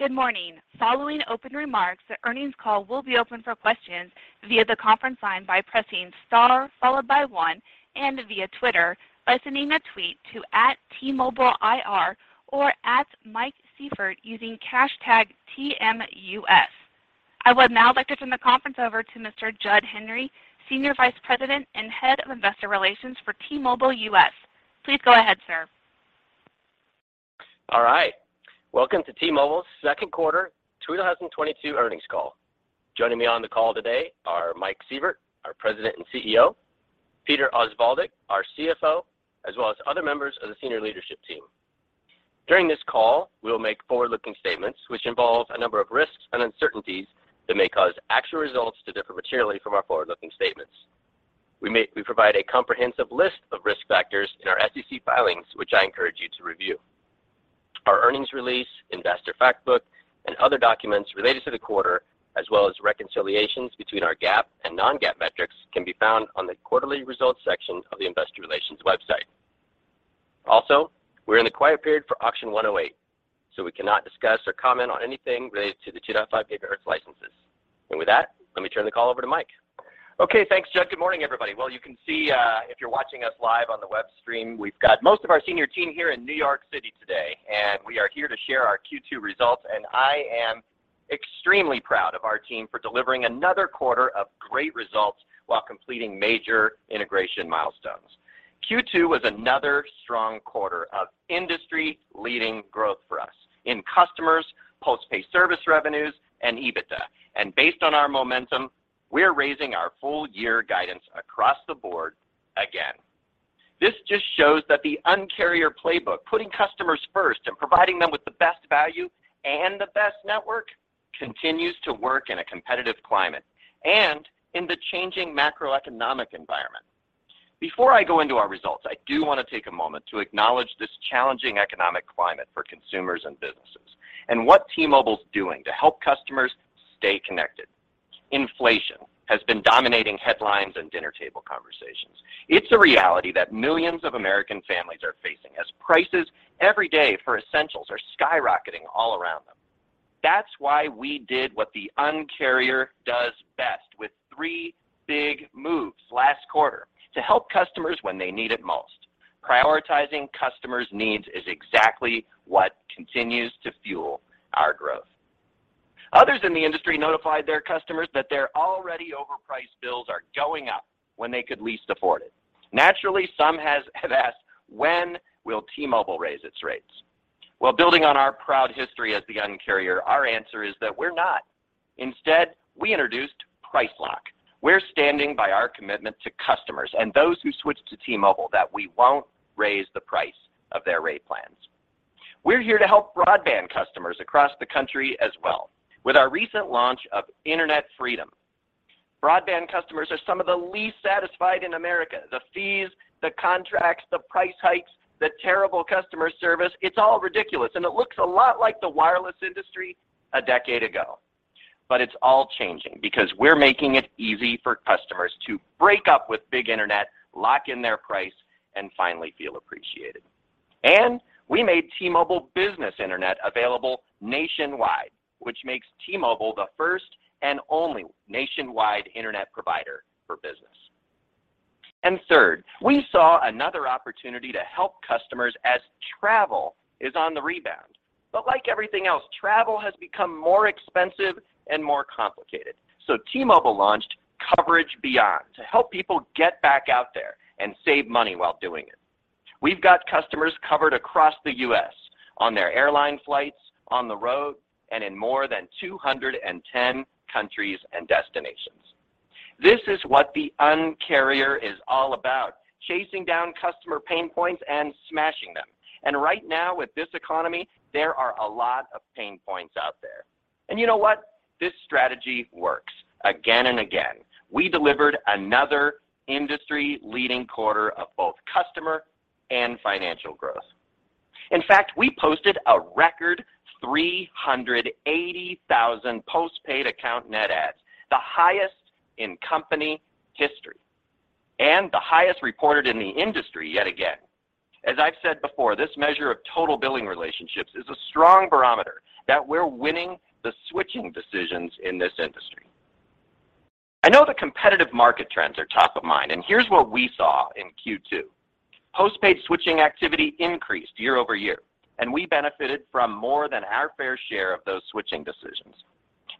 Good morning. Following open remarks, the earnings call will be open for questions via the conference line by pressing star followed by one and via Twitter by sending a tweet to @TMobileIR or @MikeSievert using hashtag TMUS. I would now like to turn the conference over to Mr. Jud Henry, Senior Vice President and Head of Investor Relations for T-Mobile US. Please go ahead, sir. All right. Welcome to T-Mobile's second quarter 2022 earnings call. Joining me on the call today are Mike Sievert, our President and CEO, Peter Osvaldik, our CFO, as well as other members of the senior leadership team. During this call, we'll make forward-looking statements which involve a number of risks and uncertainties that may cause actual results to differ materially from our forward-looking statements. We provide a comprehensive list of risk factors in our SEC filings which I encourage you to review. Our earnings release, investor fact book, and other documents related to the quarter, as well as reconciliations between our GAAP and non-GAAP metrics can be found on the quarterly results section of the investor relations website. Also, we're in the quiet period for Auction 108, so we cannot discuss or comment on anything related to the 2.5 gigahertz licenses. With that, let me turn the call over to Mike. Okay, thanks Jud. Good morning, everybody. Well, you can see, if you're watching us live on the web stream, we've got most of our senior team here in New York City today, and we are here to share our Q2 results, and I am extremely proud of our team for delivering another quarter of great results while completing major integration milestones. Q2 was another strong quarter of industry leading growth for us in customers, postpaid service revenues, and EBITDA. Based on our momentum, we're raising our full year guidance across the board again. This just shows that the Un-carrier playbook, putting customers first and providing them with the best value and the best network, continues to work in a competitive climate and in the changing macroeconomic environment. Before I go into our results, I do wanna take a moment to acknowledge this challenging economic climate for consumers and businesses and what T-Mobile's doing to help customers stay connected. Inflation has been dominating headlines and dinner table conversations. It's a reality that millions of American families are facing as prices every day for essentials are skyrocketing all around them. That's why we did what the Un-carrier does best with three big moves last quarter to help customers when they need it most. Prioritizing customers' needs is exactly what continues to fuel our growth. Others in the industry notified their customers that their already overpriced bills are going up when they could least afford it. Naturally, some have asked when will T-Mobile raise its rates. While building on our proud history as the Un-carrier, our answer is that we're not. Instead, we introduced Price Lock. We're standing by our commitment to customers and those who switch to T-Mobile that we won't raise the price of their rate plans. We're here to help broadband customers across the country as well with our recent launch of Internet Freedom. Broadband customers are some of the least satisfied in America. The fees, the contracts, the price hikes, the terrible customer service, it's all ridiculous, and it looks a lot like the wireless industry a decade ago. It's all changing because we're making it easy for customers to break up with big internet, lock in their price, and finally feel appreciated. We made T-Mobile Business Internet available nationwide, which makes T-Mobile the first and only nationwide internet provider for business. Third, we saw another opportunity to help customers as travel is on the rebound. Like everything else, travel has become more expensive and more complicated. T-Mobile launched Coverage Beyond to help people get back out there and save money while doing it. We've got customers covered across the U.S. on their airline flights, on the road, and in more than 210 countries and destinations. This is what the Un-carrier is all about, chasing down customer pain points and smashing them. Right now with this economy, there are a lot of pain points out there. You know what? This strategy works again and again. We delivered another industry-leading quarter of both customer and financial growth. In fact, we posted a record 380,000 postpaid account net adds, the highest in company history and the highest reported in the industry yet again. As I've said before, this measure of total billing relationships is a strong barometer that we're winning the switching decisions in this industry. I know the competitive market trends are top of mind, and here's what we saw in Q2. Postpaid switching activity increased year-over-year, and we benefited from more than our fair share of those switching decisions.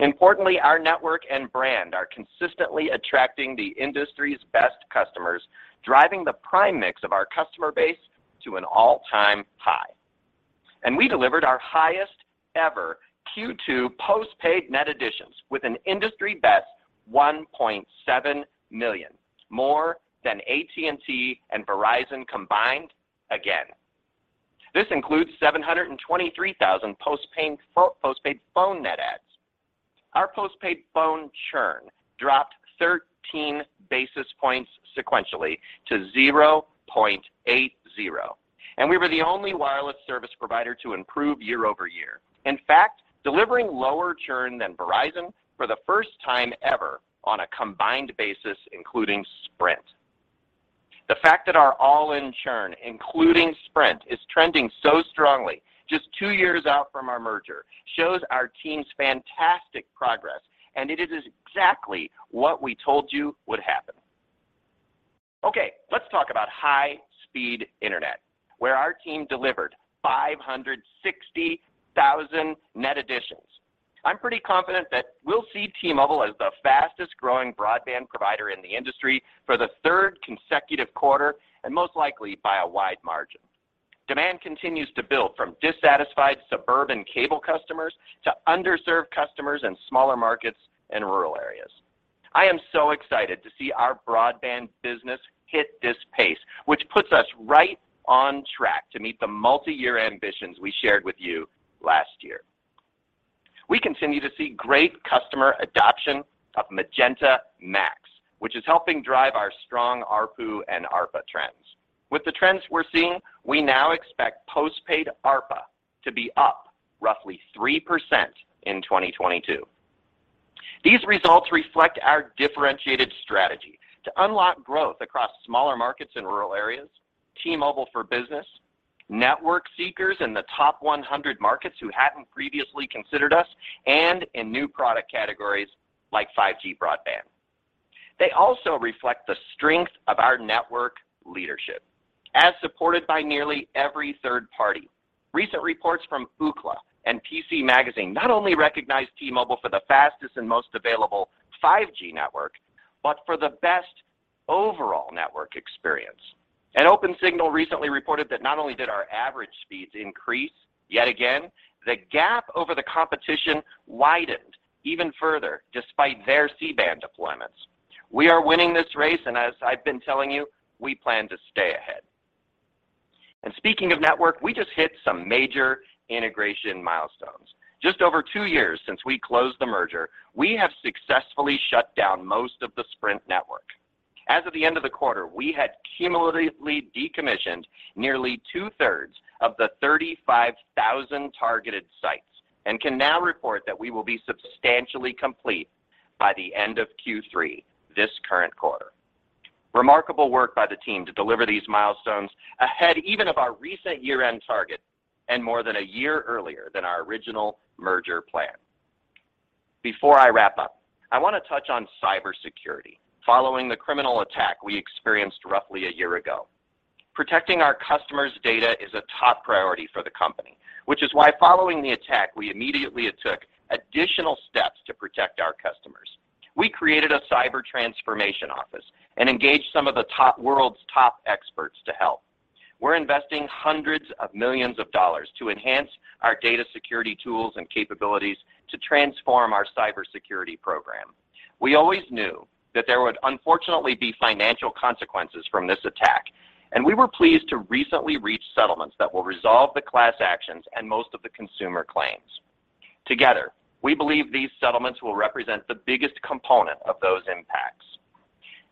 Importantly, our network and brand are consistently attracting the industry's best customers, driving the prime mix of our customer base to an all-time high. We delivered our highest ever Q2 postpaid net additions with an industry best 1.7 million, more than AT&T and Verizon combined again. This includes 723,000 postpaid phone net adds. Our postpaid phone churn dropped 13 basis points sequentially to 0.80, and we were the only wireless service provider to improve year-over-year. In fact, delivering lower churn than Verizon for the first time ever on a combined basis, including Sprint. The fact that our all-in churn, including Sprint, is trending so strongly just two years out from our merger shows our team's fantastic progress, and it is exactly what we told you would happen. Okay, let's talk about high-speed internet, where our team delivered 560,000 net additions. I'm pretty confident that we'll see T-Mobile as the fastest-growing broadband provider in the industry for the third consecutive quarter, and most likely by a wide margin. Demand continues to build from dissatisfied suburban cable customers to underserved customers in smaller markets and rural areas. I am so excited to see our broadband business hit this pace, which puts us right on track to meet the multi-year ambitions we shared with you last year. We continue to see great customer adoption of Magenta MAX, which is helping drive our strong ARPU and ARPA trends. With the trends we're seeing, we now expect postpaid ARPA to be up roughly 3% in 2022. These results reflect our differentiated strategy to unlock growth across smaller markets in rural areas, T-Mobile for Business, network seekers in the top 100 markets who hadn't previously considered us, and in new product categories like 5G broadband. They also reflect the strength of our network leadership, as supported by nearly every third party. Recent reports from Ookla and PCMag not only recognize T-Mobile for the fastest and most available 5G network, but for the best overall network experience. OpenSignal recently reported that not only did our average speeds increase yet again, the gap over the competition widened even further despite their C-band deployments. We are winning this race, and as I've been telling you, we plan to stay ahead. Speaking of network, we just hit some major integration milestones. Just over two years since we closed the merger, we have successfully shut down most of the Sprint network. As of the end of the quarter, we had cumulatively decommissioned nearly 2/3 of the 35,000 targeted sites and can now report that we will be substantially complete by the end of Q3 this current quarter. Remarkable work by the team to deliver these milestones ahead even of our recent year-end target and more than a year earlier than our original merger plan. Before I wrap up, I want to touch on cybersecurity following the criminal attack we experienced roughly a year ago. Protecting our customers' data is a top priority for the company, which is why following the attack, we immediately took additional steps to protect our customers. We created a cyber transformation office and engaged some of the world's top experts to help. We're investing hundreds of millions dollars to enhance our data security tools and capabilities to transform our cybersecurity program. We always knew that there would unfortunately be financial consequences from this attack, and we were pleased to recently reach settlements that will resolve the class actions and most of the consumer claims. Together, we believe these settlements will represent the biggest component of those impacts.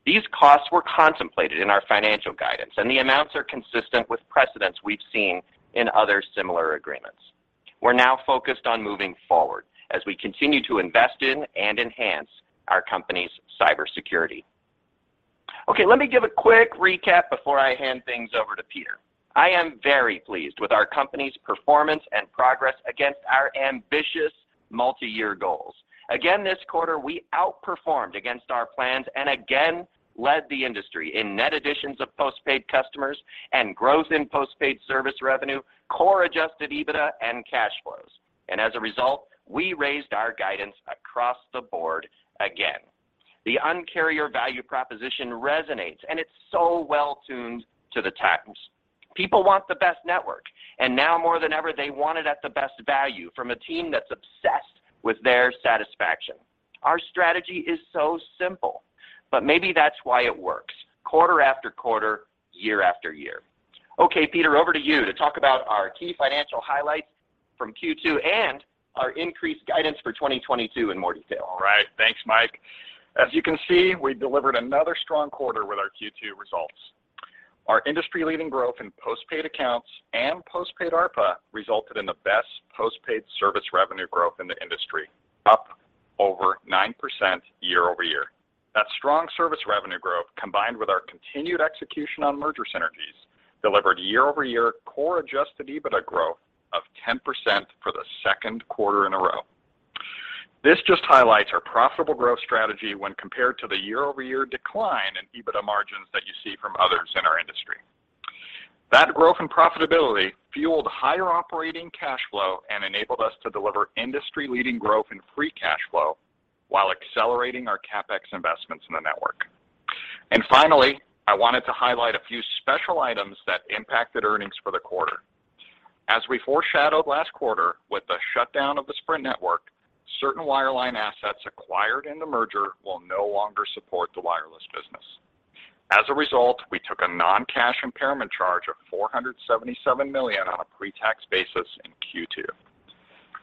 These costs were contemplated in our financial guidance, and the amounts are consistent with precedents we've seen in other similar agreements. We're now focused on moving forward as we continue to invest in and enhance our company's cybersecurity. Okay, let me give a quick recap before I hand things over to Peter. I am very pleased with our company's performance and progress against our ambitious multi-year goals. Again, this quarter, we outperformed against our plans and again led the industry in net additions of postpaid customers and growth in postpaid service revenue, core-adjusted EBITDA, and cash flows. And as a result, we raised our guidance across the board again. The Un-carrier value proposition resonates, and it's so well-tuned to the times. People want the best network, and now more than ever, they want it at the best value from a team that's obsessed with their satisfaction. Our strategy is so simple, but maybe that's why it works quarter-after-quarter, year-after-year. Okay, Peter, over to you to talk about our key financial highlights from Q2 and our increased guidance for 2022 in more detail. All right. Thanks, Mike. As you can see, we delivered another strong quarter with our Q2 results. Our industry-leading growth in postpaid accounts and postpaid ARPA resulted in the best postpaid service revenue growth in the industry, up over 9% year-over-year. That strong service revenue growth, combined with our continued execution on merger synergies, delivered year-over-year core adjusted EBITDA growth of 10% for the second quarter in a row. This just highlights our profitable growth strategy when compared to the year-over-year decline in EBITDA margins that you see from others in our industry. That growth and profitability fueled higher operating cash flow and enabled us to deliver industry-leading growth in free cash flow while accelerating our CapEx investments in the network. Finally, I wanted to highlight a few special items that impacted earnings for the quarter. As we foreshadowed last quarter with the shutdown of the Sprint network, certain wireline assets acquired in the merger will no longer support the wireless business. As a result, we took a non-cash impairment charge of $477 million on a pre-tax basis in Q2.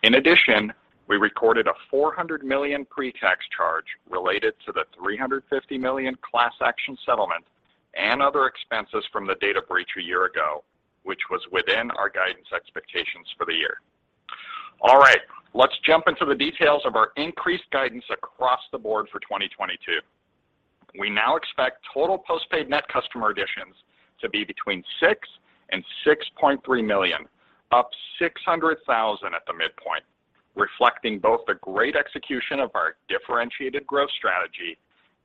In addition, we recorded a $400 million pre-tax charge related to the $350 million class action settlement and other expenses from the data breach a year ago, which was within our guidance expectations for the year. All right, let's jump into the details of our increased guidance across the board for 2022. We now expect total postpaid net customer additions to be between 6 and 6.3 million, up 600,000 at the midpoint, reflecting both the great execution of our differentiated growth strategy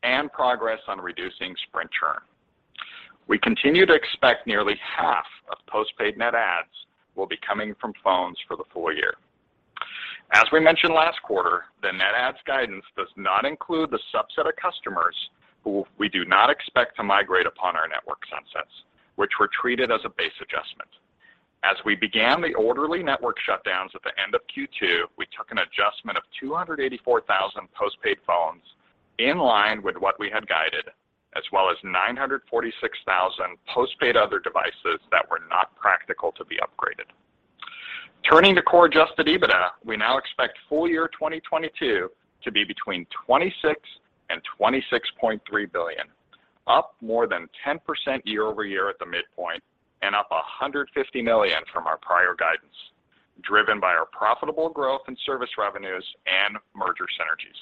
and progress on reducing Sprint churn. We continue to expect nearly half of postpaid net adds will be coming from phones for the full year. As we mentioned last quarter, the net adds guidance does not include the subset of customers who we do not expect to migrate upon our network sunsets, which were treated as a base adjustment. As we began the orderly network shutdowns at the end of Q2, we took an adjustment of 284,000 postpaid phones in line with what we had guided, as well as 946,000 postpaid other devices that were not practical to be upgraded. Turning to core adjusted EBITDA, we now expect full-year 2022 to be between $26 billion and $26.3 billion, up more than 10% year-over-year at the midpoint and up $150 million from our prior guidance, driven by our profitable growth in service revenues and merger synergies.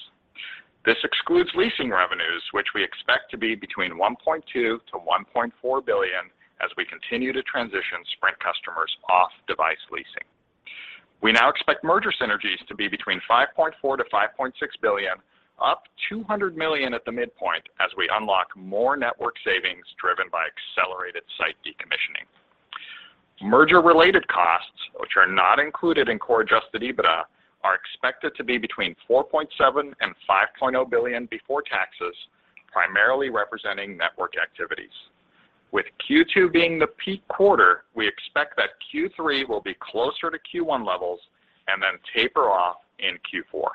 This excludes leasing revenues, which we expect to be $1.2 billion-$1.4 billion as we continue to transition Sprint customers off device leasing. We now expect merger synergies to be $5.4 billion-$5.6 billion, up $200 million at the midpoint as we unlock more network savings driven by accelerated site decommissioning. Merger-related costs, which are not included in core adjusted EBITDA, are expected to be $4.7 billion-$5 billion before taxes, primarily representing network activities. With Q2 being the peak quarter, we expect that Q3 will be closer to Q1 levels and then taper off in Q4.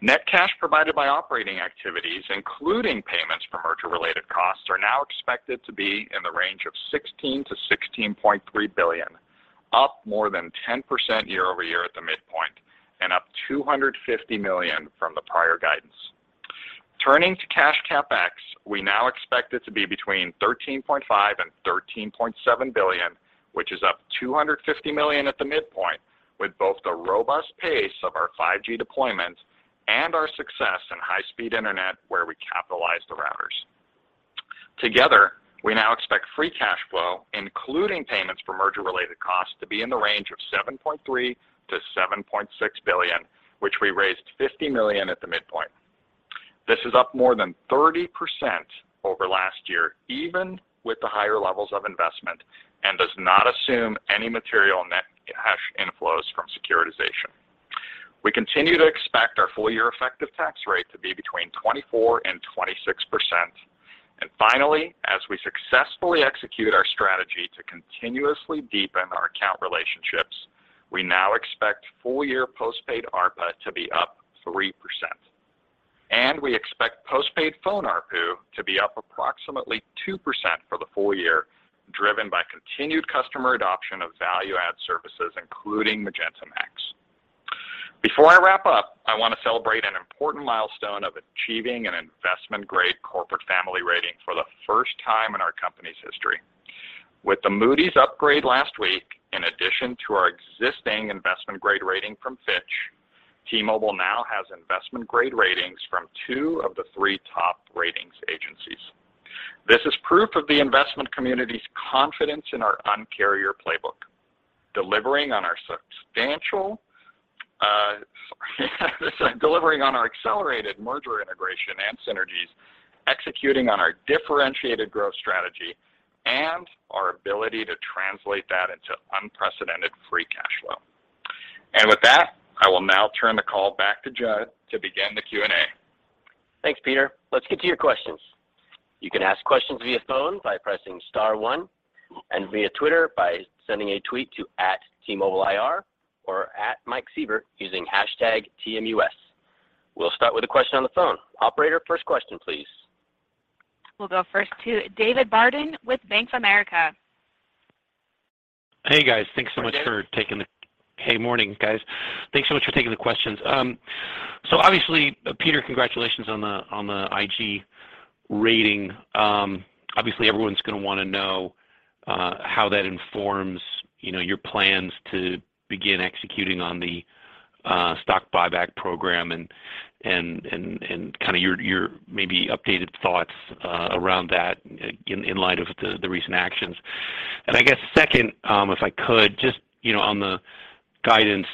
Net cash provided by operating activities, including payments for merger-related costs, are now expected to be in the range of $16-$16.3 billion, up more than 10% year-over-year at the midpoint and up $250 million from the prior guidance. Turning to cash CapEx, we now expect it to be between $13.5-$13.7 billion, which is up $250 million at the midpoint, with both the robust pace of our 5G deployment and our success in high-speed Internet, where we capitalize the routers. Together, we now expect free cash flow, including payments for merger-related costs, to be in the range of $7.3 billion-$7.6 billion, which we raised $50 million at the midpoint. This is up more than 30% over last year, even with the higher levels of investment, and does not assume any material net cash inflows from securitization. We continue to expect our full year effective tax rate to be between 24% and 26%. Finally, as we successfully execute our strategy to continuously deepen our account relationships, we now expect full year postpaid ARPA to be up 3%. We expect postpaid phone ARPU to be up approximately 2% for the full year, driven by continued customer adoption of value-add services, including Magenta MAX. Before I wrap up, I want to celebrate an important milestone of achieving an investment-grade corporate family rating for the first time in our company's history. With the Moody's upgrade last week, in addition to our existing investment-grade rating from Fitch, T-Mobile now has investment-grade ratings from two of the three top ratings agencies. This is proof of the investment community's confidence in our Un-carrier playbook, delivering on our accelerated merger integration and synergies, executing on our differentiated growth strategy, and our ability to translate that into unprecedented free cash flow. With that, I will now turn the call back to Judd to begin the Q&A. Thanks, Peter. Let's get to your questions. You can ask questions via phone by pressing star one and via Twitter by sending a tweet to @TMobileIR or @MikeSievert using hashtag TMUS. We'll start with a question on the phone. Operator, first question, please. We'll go first to David Barden with Bank of America. Hey, guys. Thanks so much for taking the Hey, Dave. Hey. Morning, guys. Thanks so much for taking the questions. So obviously, Peter, congratulations on the IG rating. Obviously everyone's gonna wanna know how that informs, you know, your plans to begin executing on the stock buyback program and kinda your maybe updated thoughts around that in light of the recent actions. I guess second, if I could just, you know, on the guidance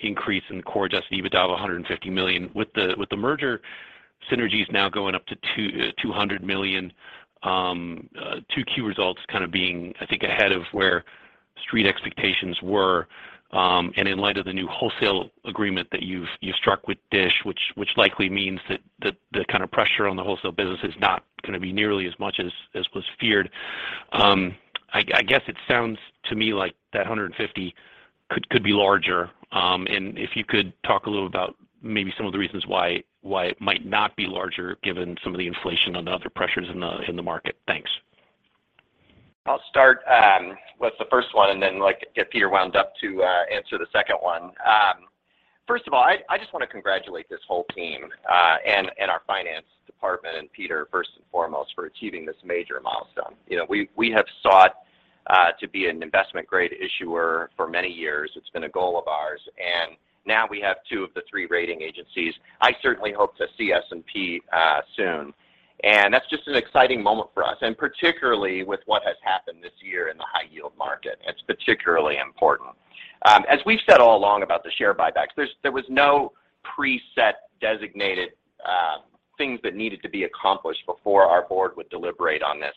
increase in core adjusted EBITDA of $150 million. With the merger synergies now going up to $200 million, 2Q results kind of being, I think, ahead of where Street expectations were, and in light of the new wholesale agreement that you struck with Dish, which likely means that the kind of pressure on the wholesale business is not gonna be nearly as much as was feared. I guess it sounds to me like that 150 could be larger. If you could talk a little about maybe some of the reasons why it might not be larger given some of the inflation and other pressures in the market. Thanks. I'll start with the first one, and then let get Peter wound up to answer the second one. First of all, I just wanna congratulate this whole team and our finance department and Peter, first and foremost, for achieving this major milestone. You know, we have sought to be an investment grade issuer for many years. It's been a goal of ours, and now we have two of the three rating agencies. I certainly hope to see S&P soon. That's just an exciting moment for us, and particularly with what has happened this year in the high yield market, it's particularly important. As we've said all along about the share buybacks, there was no preset designated things that needed to be accomplished before our board would deliberate on this.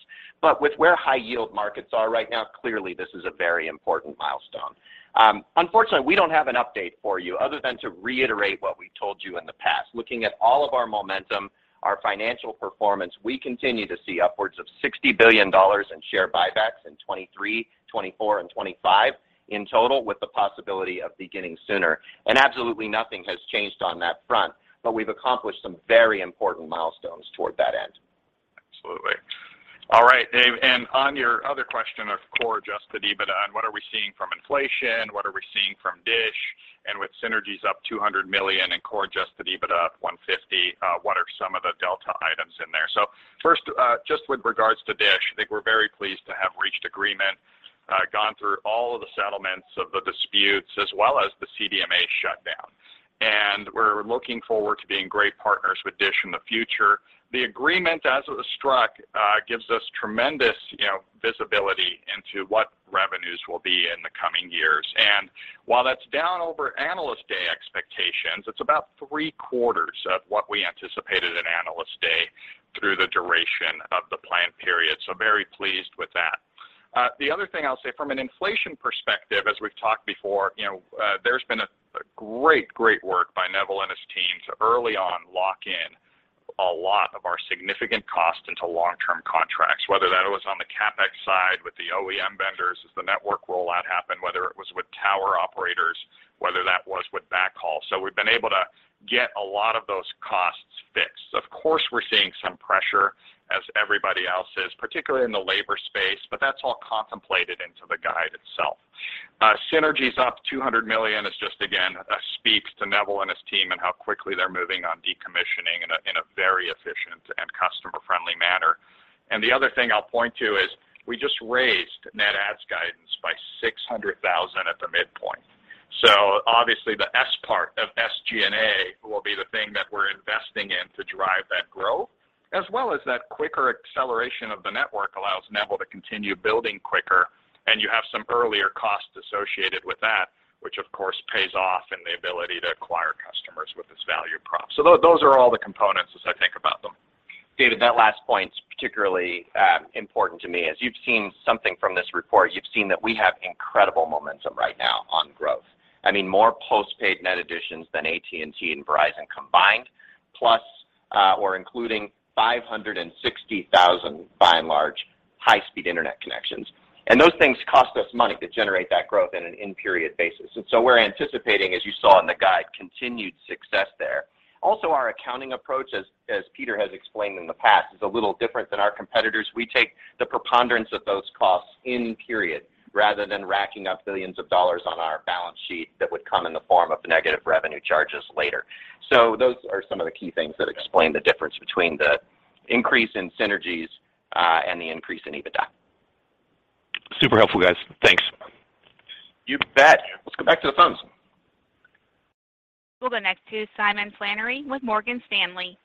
With where high yield markets are right now, clearly this is a very important milestone. Unfortunately, we don't have an update for you other than to reiterate what we told you in the past. Looking at all of our momentum, our financial performance, we continue to see upwards of $60 billion in share buybacks in 2023, 2024, and 2025 in total, with the possibility of beginning sooner. Absolutely nothing has changed on that front, but we've accomplished some very important milestones toward that end. Absolutely. All right, David, on your other question of core adjusted EBITDA and what are we seeing from inflation, what are we seeing from Dish, and with synergies up $200 million and core adjusted EBITDA $150 million, what are some of the delta items in there? First, just with regards to Dish, I think we're very pleased to have reached agreement, gone through all of the settlements of the disputes as well as the CDMA shutdown. We're looking forward to being great partners with Dish in the future. The agreement as it was struck gives us tremendous, you know, visibility into what revenues will be in the coming years. While that's down over Analyst Day expectations, it's about three-quarters of what we anticipated in Analyst Day through the duration of the plan period. Very pleased with that. The other thing I'll say from an inflation perspective, as we've talked before, you know, there's been great work by Neville and his team to early on lock in a lot of our significant cost into long-term contracts, whether that was on the CapEx side with the OEM vendors as the network rollout happened, whether it was with tower operators, whether that was with backhaul. We've been able to get a lot of those costs fixed. Of course, we're seeing some pressure as everybody else is, particularly in the labor space, but that's all contemplated into the guide itself. Synergies up $200 million is just again speaks to Neville and his team and how quickly they're moving on decommissioning in a very efficient and customer-friendly manner. The other thing I'll point to is we just raised net adds guidance by 600,000 at the midpoint. Obviously the S part of SG&A will be the thing that we're investing in to drive that growth, as well as that quicker acceleration of the network allows Neville to continue building quicker, and you have some earlier costs associated with that, which of course pays off in the ability to acquire customers with this value prop. Those are all the components as I think about them. David, that last point's particularly important to me. As you've seen from this report, we have incredible momentum right now on growth. I mean, more postpaid net additions than AT&T and Verizon combined, plus or including 560,000, by and large, high-speed internet connections. Those things cost us money to generate that growth on an in-period basis. We're anticipating, as you saw in the guide, continued success there. Also, our accounting approach, as Peter has explained in the past, is a little different than our competitors. We take the preponderance of those costs in period rather than racking up billions of dollars on our balance sheet that would come in the form of negative revenue charges later. Those are some of the key things that explain the difference between the increase in synergies and the increase in EBITDA. Super helpful, guys. Thanks. You bet. Let's go back to the phones. We'll go next to Simon Flannery with Morgan Stanley.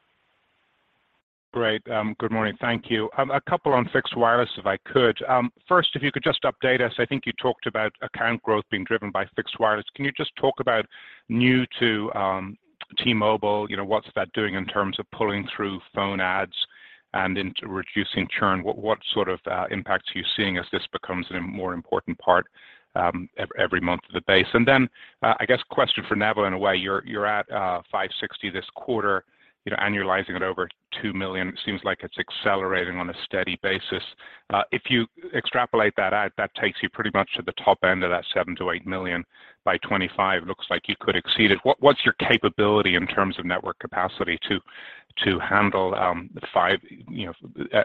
Great. Good morning. Thank you. A couple on fixed wireless if I could. First, if you could just update us, I think you talked about account growth being driven by fixed wireless. Can you just talk about new to T-Mobile, you know, what's that doing in terms of pulling through phone adds and in reducing churn? What sort of impacts are you seeing as this becomes a more important part every month to the base? And then, I guess question for Neville, in a way, you're at 560 this quarter, you know, annualizing it over 2 million. It seems like it's accelerating on a steady basis. If you extrapolate that out, that takes you pretty much to the top end of that 7-8 million. By 2025, looks like you could exceed it. What's your capability in terms of network capacity to handle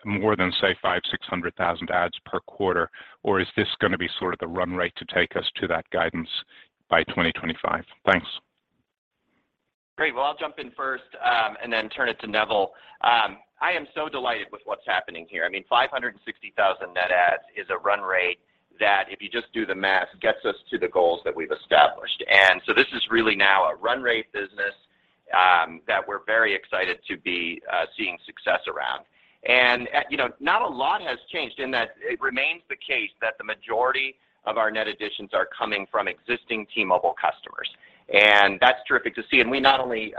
more than say 500-600,000 adds per quarter? Or is this gonna be sort of the run rate to take us to that guidance by 2025? Thanks. Great. Well, I'll jump in first, and then turn it to Neville. I am so delighted with what's happening here. I mean, 560,000 net adds is a run rate that if you just do the math, gets us to the goals that we've established. This is really now a run rate business, that we're very excited to be seeing success around. You know, not a lot has changed in that it remains the case that the majority of our net additions are coming from existing T-Mobile customers, and that's terrific to see. We not only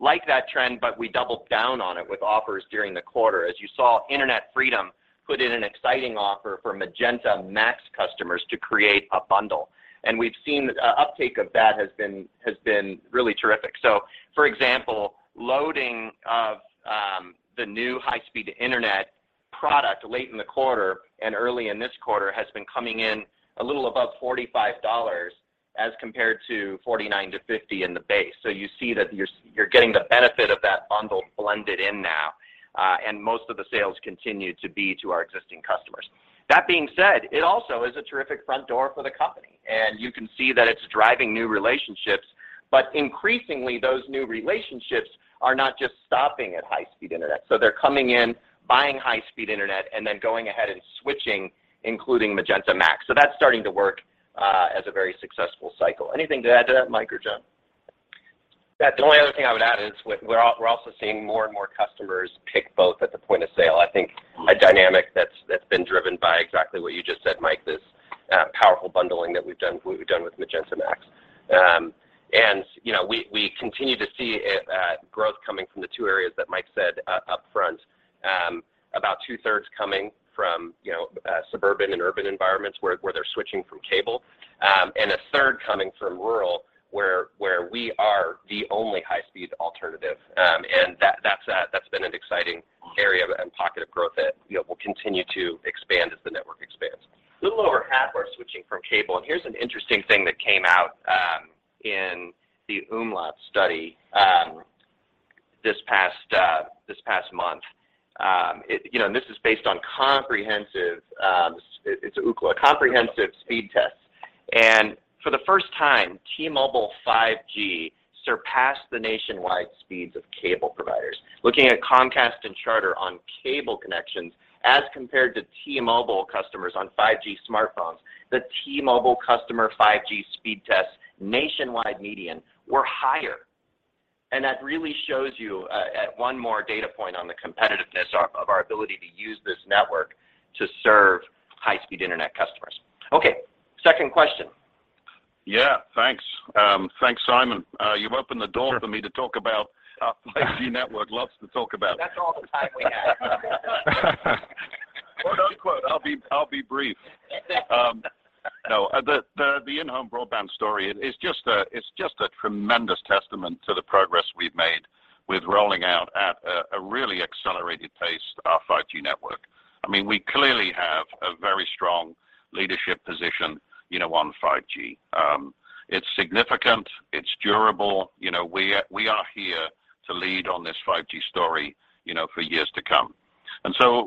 like that trend, but we doubled down on it with offers during the quarter. As you saw, Internet Freedom put in an exciting offer for Magenta MAX customers to create a bundle, and we've seen the uptake of that has been really terrific. For example, loading of the new high-speed internet product late in the quarter and early in this quarter has been coming in a little above $45 as compared to $49-$50 in the base. You see that you're getting the benefit of that bundle blended in now, and most of the sales continue to be to our existing customers. That being said, it also is a terrific front door for the company, and you can see that it's driving new relationships, but increasingly, those new relationships are not just stopping at high-speed internet. They're coming in, buying high-speed internet, and then going ahead and switching, including Magenta MAX. That's starting to work as a very successful cycle. Anything to add to that, Mike or John? That's the only other thing I would add is we're also seeing more and more customers pick both at the point of sale. I think a dynamic that's been driven by exactly what you just said, Mike, this powerful bundling that we've done with Magenta MAX. You know, we continue to see a growth coming from the two areas that Mike said up front, about 2/3 coming from, you know, suburban and urban environments where they're switching from cable, and a third coming from rural where we are the only high-speed alternative, and that's been an exciting area and pocket of growth that, you know, will continue to expand as the network expands. A little over half are switching from cable, and here's an interesting thing that came out in the Ookla study this past month. You know, this is based on comprehensive Ookla speed tests. For the first time, T-Mobile 5G surpassed the nationwide speeds of cable providers. Looking at Comcast and Charter on cable connections as compared to T-Mobile customers on 5G smartphones, the T-Mobile customer 5G speed tests nationwide median were higher. That really shows you, at one more data point on the competitiveness of our ability to use this network to serve high-speed internet customers. Okay. Second question. Yeah, thanks. Thanks, Simon. You've opened the door. Sure for me to talk about our 5G network. Loves to talk about it. That's all the time we have. I'll be brief. No. The in-home broadband story is just a tremendous testament to the progress we've made with rolling out at a really accelerated pace our 5G network. I mean, we clearly have a very strong leadership position, you know, on 5G. It's significant. It's durable. You know, we are here to lead on this 5G story, you know, for years to come.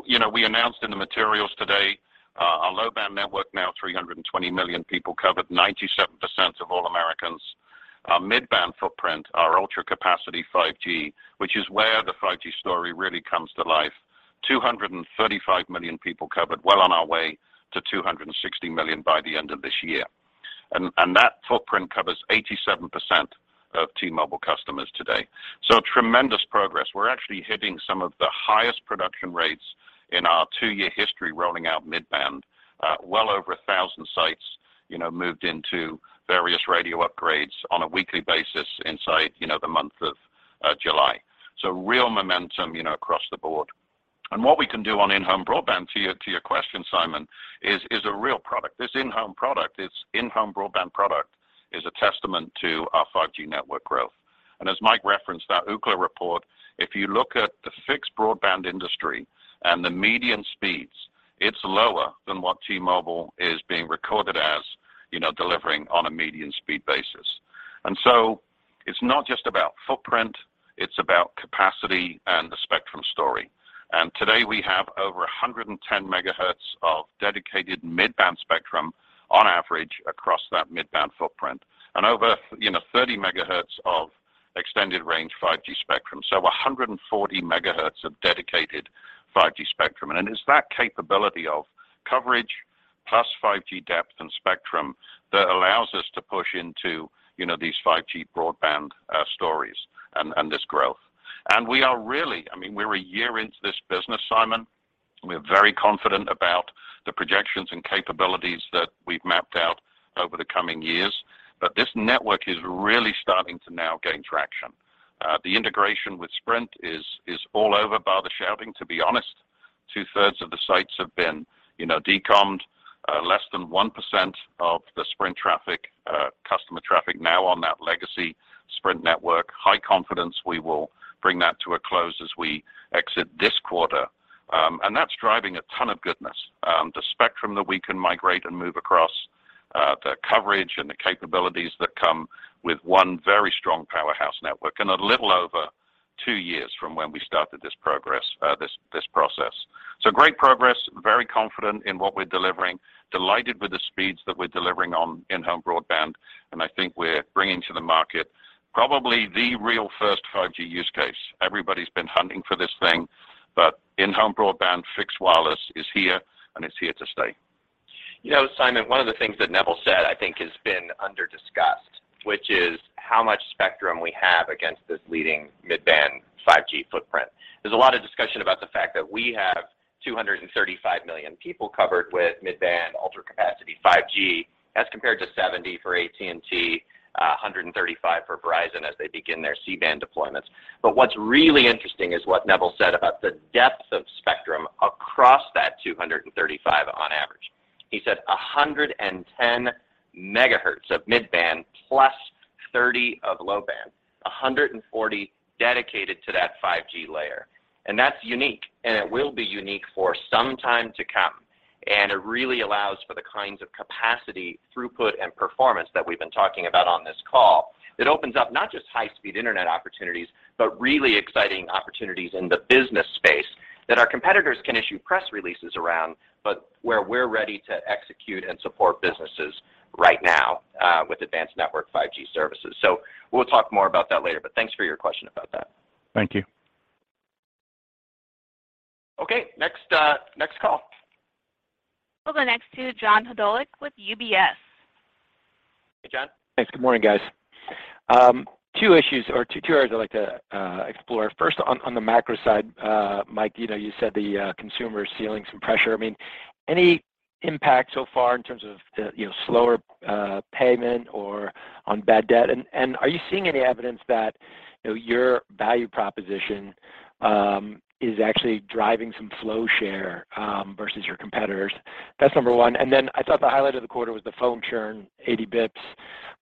You know, we announced in the materials today, our low-band network now 320 million people covered, 97% of all Americans. Our mid-band footprint, our Ultra Capacity 5G, which is where the 5G story really comes to life, 235 million people covered, well on our way to 260 million by the end of this year. That footprint covers 87% of T-Mobile customers today. Tremendous progress. We're actually hitting some of the highest production rates in our two-year history rolling out mid-band, well over 1,000 sites, you know, moved into various radio upgrades on a weekly basis inside, you know, the month of July. Real momentum, you know, across the board. What we can do on in-home broadband, to your question, Simon, is a real product. This in-home product, this in-home broadband product is a testament to our 5G network growth. As Mike referenced that Ookla report, if you look at the fixed broadband industry and the median speeds, it's lower than what T-Mobile is being recorded as, you know, delivering on a median speed basis. It's not just about footprint, it's about capacity and the spectrum story. Today we have over 110 MHz of dedicated mid-band spectrum on average across that mid-band footprint and over, you know, 30 MHz of Extended Range 5G spectrum, so 140 MHz of dedicated 5G spectrum. It's that capability of coverage +5G depth and spectrum that allows us to push into, you know, these 5G broadband stories and this growth. We are really. I mean, we're a year into this business, Simon. We're very confident about the projections and capabilities that we've mapped out over the coming years. This network is really starting to now gain traction. The integration with Sprint is all over bar the shouting, to be honest. 2/3 of the sites have been, you know, decommed. Less than 1% of the Sprint traffic, customer traffic now on that legacy Sprint network. High confidence we will bring that to a close as we exit this quarter. That's driving a ton of goodness. The spectrum that we can migrate and move across, the coverage and the capabilities that come with one very strong powerhouse network in a little over two years from when we started this progress, this process. Great progress, very confident in what we're delivering, delighted with the speeds that we're delivering on in-home broadband, and I think we're bringing to the market probably the real first 5G use case. Everybody's been hunting for this thing, but in-home broadband fixed wireless is here and it's here to stay. You know, Simon, one of the things that Neville said I think has been under-discussed, which is how much spectrum we have against this leading mid-band 5G footprint. There's a lot of discussion about the fact that we have 235 million people covered with mid-band Ultra Capacity 5G as compared to 70 for AT&T, 135 for Verizon as they begin their C-band deployments. What's really interesting is what Neville said about the depth of spectrum across that 235 on average. He said 110 megahertz of mid-band +30 of low-band, 140 dedicated to that 5G layer. That's unique, and it will be unique for some time to come, and it really allows for the kinds of capacity, throughput, and performance that we've been talking about on this call. It opens up not just high-speed internet opportunities, but really exciting opportunities in the business space that our competitors can issue press releases around, but where we're ready to execute and support businesses right now, with advanced network 5G services. We'll talk more about that later, but thanks for your question about that. Thank you. Okay. Next call. We'll go next to John Hodulik with UBS. Hey, John. Thanks. Good morning, guys. Two issues or two areas I'd like to explore. First, on the macro side, Mike, you know, you said the consumer is feeling some pressure. I mean, any impact so far in terms of the, you know, slower payment or on bad debt? And are you seeing any evidence that, you know, your value proposition is actually driving some flow share versus your competitors? That's number one. I thought the highlight of the quarter was the phone churn, 80 basis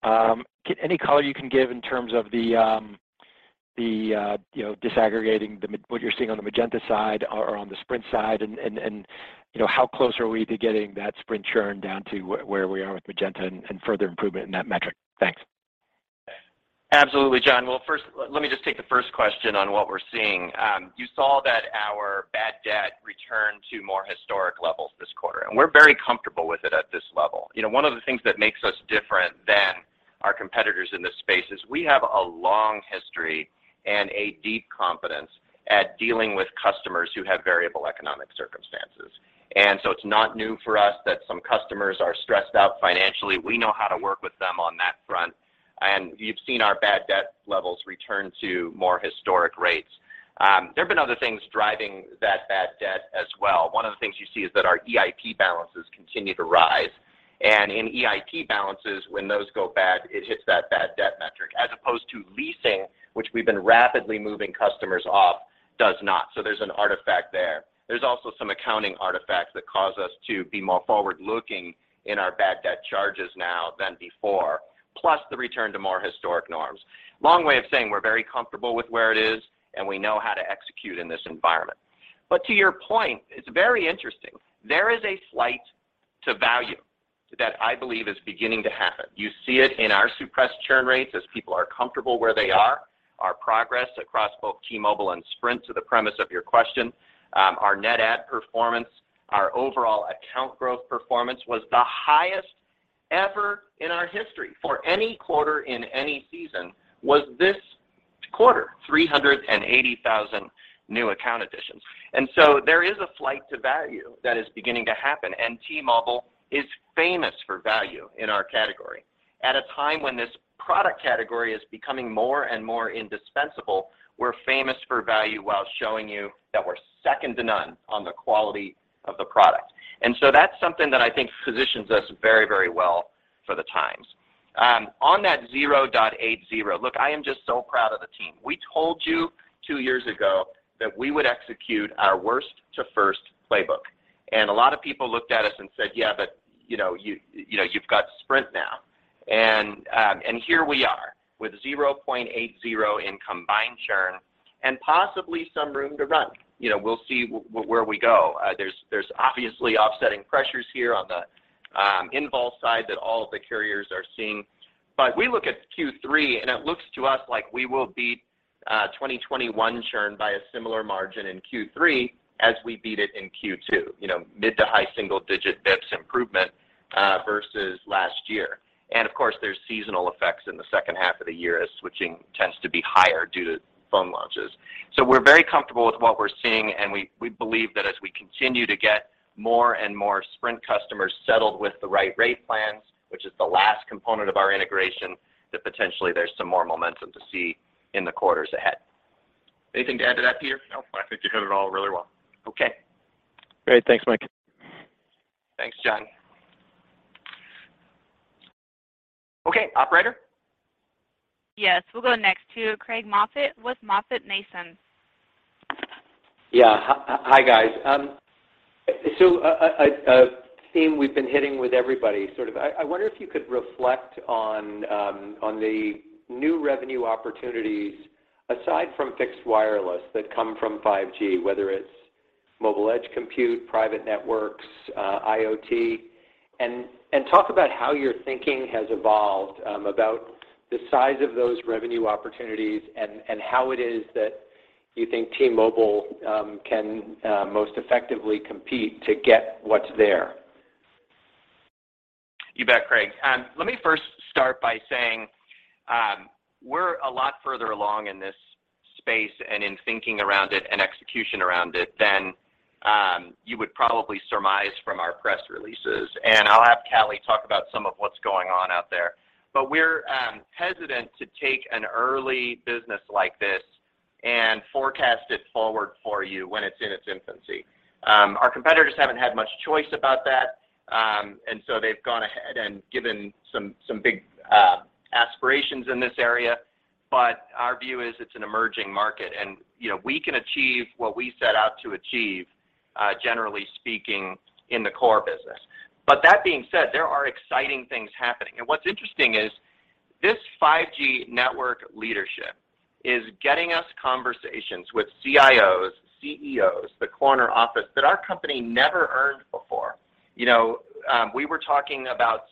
points. Any color you can give in terms of you know disaggregating what you're seeing on the Magenta side or on the Sprint side and you know how close are we to getting that Sprint churn down to where we are with Magenta and further improvement in that metric? Thanks. Absolutely, John. Well, first, let me just take the first question on what we're seeing. You saw that our bad debt returned to more historic levels this quarter, and we're very comfortable with it at this level. You know, one of the things that makes us different than our competitors in this space is we have a long history and a deep confidence at dealing with customers who have variable economic circumstances. It's not new for us that some customers are stressed out financially. We know how to work with them on that front. You've seen our bad debt levels return to more historic rates. There have been other things driving that bad debt as well. One of the things you see is that our EIP balances continue to rise. In EIP balances, when those go bad, it hits that bad debt metric, as opposed to leasing, which we've been rapidly moving customers off, does not. There's an artifact there. There's also some accounting artifacts that cause us to be more forward-looking in our bad debt charges now than before, plus the return to more historic norms. Long way of saying we're very comfortable with where it is, and we know how to execute in this environment. To your point, it's very interesting. There is a flight to value that I believe is beginning to happen. You see it in our suppressed churn rates as people are comfortable where they are, our progress across both T-Mobile and Sprint to the premise of your question, our net add performance, our overall account growth performance was the highest ever in our history for any quarter in any season, this quarter, 380,000 new account additions. There is a flight to value that is beginning to happen, and T-Mobile is famous for value in our category. At a time when this product category is becoming more and more indispensable, we're famous for value while showing you that we're second to none on the quality of the product. That's something that I think positions us very, very well for the times. On that 0.80, look, I am just so proud of the team. We told you two years ago that we would execute our worst to first playbook. A lot of people looked at us and said, "Yeah, but, you know, you've got Sprint now." Here we are with 0.80 in combined churn and possibly some room to run. You know, we'll see where we go. There's obviously offsetting pressures here on the postpaid side that all of the carriers are seeing. We look at Q3 and it looks to us like we will beat 2021 churn by a similar margin in Q3 as we beat it in Q2. You know, mid- to high-single-digit basis points improvement versus last year. Of course, there's seasonal effects in the second half of the year as switching tends to be higher due to phone launches. We're very comfortable with what we're seeing, and we believe that as we continue to get more and more Sprint customers settled with the right rate plans, which is the last component of our integration, that potentially there's some more momentum to see in the quarters ahead. Anything to add to that, Peter Osvaldik? No. I think you hit it all really well. Okay. Great. Thanks, Mike. Thanks, John. Okay, operator? Yes. We'll go next to Craig Moffett with MoffettNathanson. Yeah. Hi, guys. A theme we've been hitting with everybody, sort of, I wonder if you could reflect on the new revenue opportunities aside from fixed wireless that come from 5G, whether it's mobile edge computing, private networks, IoT, and talk about how your thinking has evolved about the size of those revenue opportunities and how it is that you think T-Mobile can most effectively compete to get what's there. You bet, Craig Moffett. Let me first start by saying, we're a lot further along in this space and in thinking around it and execution around it than you would probably surmise from our press releases. I'll have Callie Field talk about some of what's going on out there. We're hesitant to take an early business like this and forecast it forward for you when it's in its infancy. Our competitors haven't had much choice about that, and so they've gone ahead and given some big aspirations in this area. Our view is it's an emerging market and, you know, we can achieve what we set out to achieve, generally speaking in the core business. that being said, there are exciting things happening, and what's interesting is this 5G network leadership is getting us conversations with CIOs, CEOs, the corner office that our company never earned before. You know, we were talking about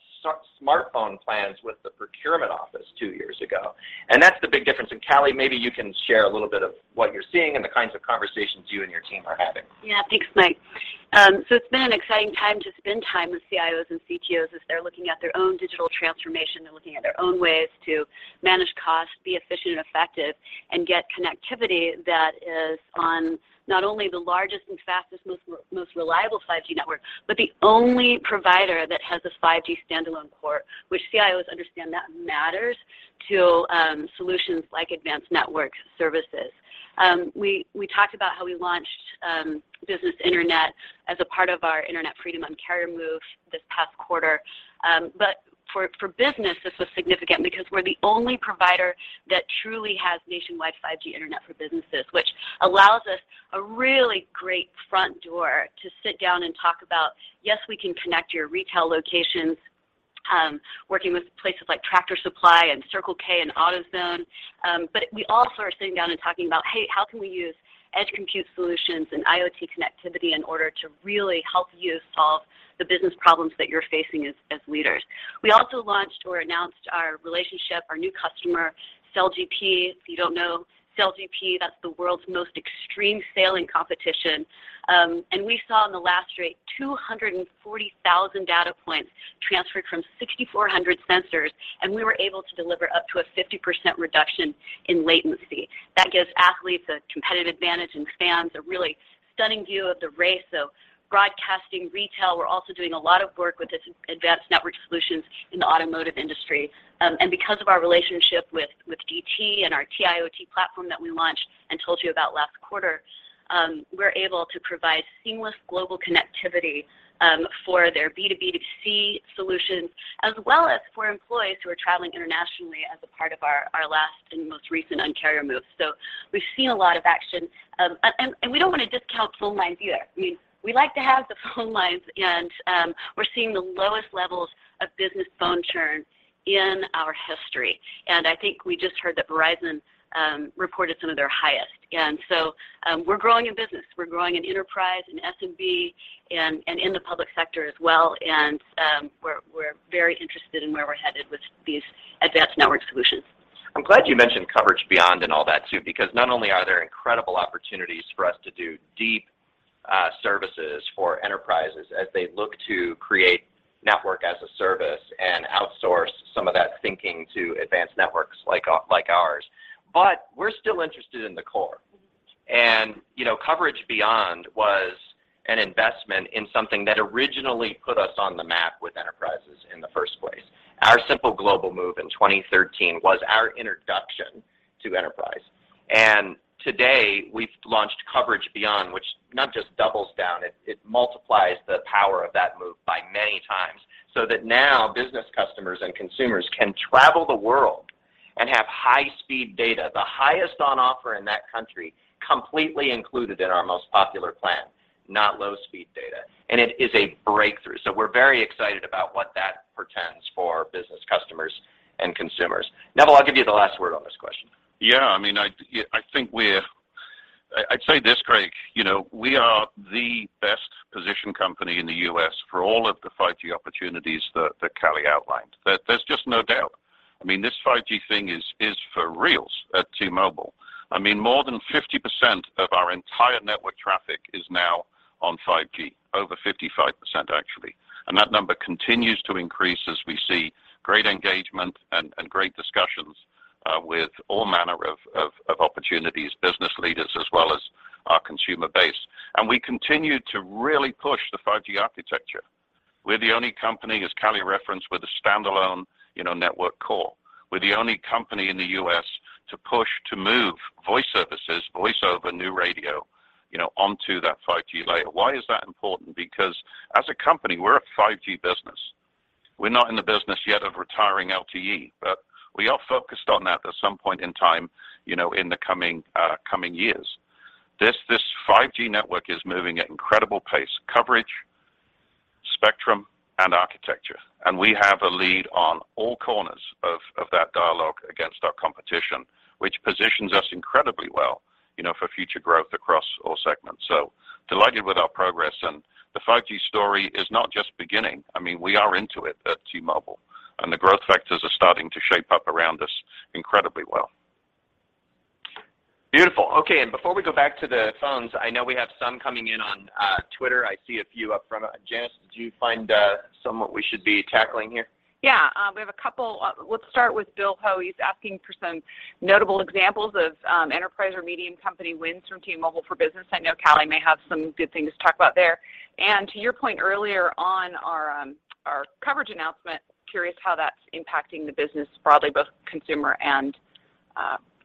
smartphone plans with the procurement office two years ago, and that's the big difference, and Callie, maybe you can share a little bit of what you're seeing and the kinds of conversations you and your team are having. Yeah. Thanks, Mike. So it's been an exciting time to spend time with CIOs and CTOs as they're looking at their own digital transformation, they're looking at their own ways to manage costs, be efficient and effective, and get connectivity that is on not only the largest and fastest, most reliable 5G network, but the only provider that has a 5G standalone core, which CIOs understand that matters to solutions like advanced network services. We talked about how we launched business internet as a part of our Internet Freedom Un-carrier move this past quarter. For business, this was significant because we're the only provider that truly has nationwide 5G internet for businesses, which allows us a really great front door to sit down and talk about, yes, we can connect your retail locations, working with places like Tractor Supply Company and Circle K and AutoZone, but we also are sitting down and talking about, hey, how can we use edge computing solutions and IoT connectivity in order to really help you solve the business problems that you're facing as leaders. We also launched or announced our relationship, our new customer, SailGP. If you don't know SailGP, that's the world's most extreme sailing competition. We saw in the last race 240,000 data points transferred from 6,400 sensors, and we were able to deliver up to a 50% reduction in latency. That gives athletes a competitive advantage and fans a really stunning view of the race. Broadcasting, retail, we're also doing a lot of work with this advanced network solutions in the automotive industry. Because of our relationship with DT and our T-IoT platform that we launched and told you about last quarter, we're able to provide seamless global connectivity for their B2B2C solutions, as well as for employees who are traveling internationally as a part of our last and most recent Un-carrier move. We've seen a lot of action. We don't want to discount phone lines either. I mean, we like to have the phone lines, and we're seeing the lowest levels of business phone churn in our history, and I think we just heard that Verizon reported some of their highest. We're growing in business. We're growing in enterprise and SMB and in the public sector as well, and we're very interested in where we're headed with these advanced network solutions. I'm glad you mentioned Coverage Beyond and all that too because not only are there incredible opportunities for us to do deep services for enterprises as they look to create network as a service and outsource some of that thinking to advanced networks like ours, but we're still interested in the core. You know, Coverage Beyond was an investment in something that originally put us on the map with enterprises in the first place. Our Simple Global move in 2013 was our introduction to enterprise. Today, we've launched Coverage Beyond, which not just doubles down, it multiplies the power of that move by many times so that now business customers and consumers can travel the world and have high-speed data, the highest on offer in that country, completely included in our most popular plan, not low-speed data. It is a breakthrough. We're very excited about what that portends for business customers and consumers. Neville, I'll give you the last word on this question. Yeah. I mean, I'd say this, Craig. You know, we are the best positioned company in the U.S. for all of the 5G opportunities that Callie outlined. There's just no doubt. I mean, this 5G thing is for reals at T-Mobile. I mean, more than 50% of our entire network traffic is now on 5G, over 55% actually. That number continues to increase as we see great engagement and great discussions with all manner of opportunities, business leaders as well as our consumer base. We continue to really push the 5G architecture. We're the only company, as Callie referenced, with a standalone network core. We're the only company in the U.S. to push to move voice services, voice over new radio, you know, onto that 5G layer. Why is that important? Because as a company, we're a 5G business. We're not in the business yet of retiring LTE, but we are focused on that at some point in time, you know, in the coming years. This 5G network is moving at incredible pace, coverage, spectrum, and architecture, and we have a lead on all corners of that dialogue against our competition, which positions us incredibly well, you know, for future growth across all segments. Delighted with our progress. The 5G story is not just beginning. I mean, we are into it at T-Mobile, and the growth factors are starting to shape up around us incredibly well. Beautiful. Okay. Before we go back to the phones, I know we have some coming in on Twitter. I see a few up front. Janice, did you find some, what we should be tackling here? Yeah. We have a couple. Let's start with William Ho. He's asking for some notable examples of enterprise or medium company wins from T-Mobile for Business. I know Callie may have some good things to talk about there. To your point earlier on our coverage announcement, curious how that's impacting the business broadly, both consumer and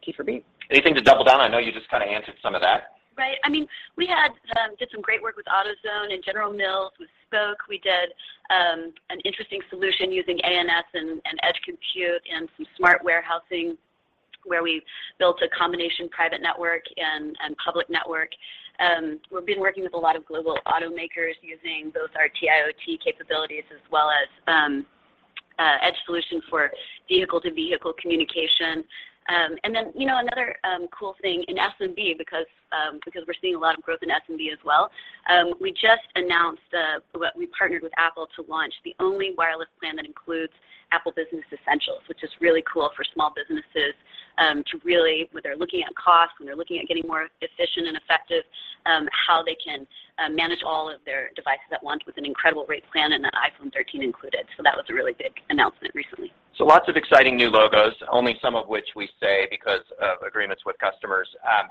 T for B. Anything to double down? I know you just kind of answered some of that. Right. I mean, we did some great work with AutoZone and General Mills with Spoke. We did an interesting solution using ANS and edge computing and some smart warehousing where we built a combination private network and public network. We've been working with a lot of global automakers using both our T-IoT capabilities as well as edge solution for vehicle-to-vehicle communication. You know, another cool thing in SMB because we're seeing a lot of growth in SMB as well. We just announced, well, we partnered with Apple to launch the only wireless plan that includes Apple Business Essentials, which is really cool for small businesses to really, when they're looking at cost, when they're looking at getting more efficient and effective, how they can manage all of their devices at once with an incredible rate plan and an iPhone 13 included. That was a really big announcement recently. Lots of exciting new logos, only some of which we say because of agreements with customers.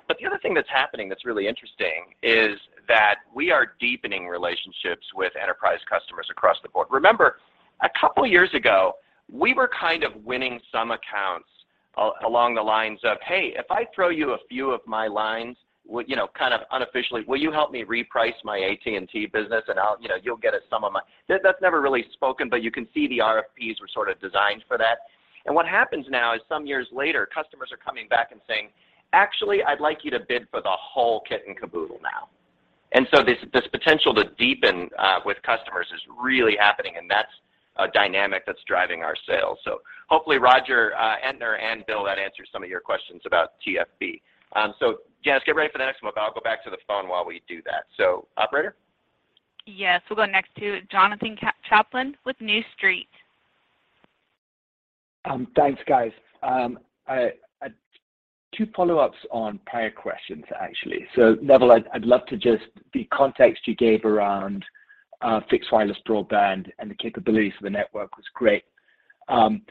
But the other thing that's happening that's really interesting is that we are deepening relationships with enterprise customers across the board. Remember, a couple years ago, we were kind of winning some accounts along the lines of, "Hey, if I throw you a few of my lines, would..." You know, kind of unofficially, "Will you help me reprice my AT&T business and I'll, you know, you'll get some of my..." That's never really spoken, but you can see the RFPs were sort of designed for that. What happens now is some years later, customers are coming back and saying, "Actually, I'd like you to bid for the whole kit and caboodle now." This potential to deepen with customers is really happening, and that's a dynamic that's driving our sales. Hopefully, Roger Entner and Bill Ho, that answers some of your questions about TFB. Yes, get ready for the next mobile. I'll go back to the phone while we do that. Operator? Yes. We'll go next to Jonathan Chaplin with New Street Research. Thanks, guys. Two follow-ups on prior questions, actually. Neville, I'd love to just the context you gave around fixed wireless broadband and the capabilities of the network was great. I'm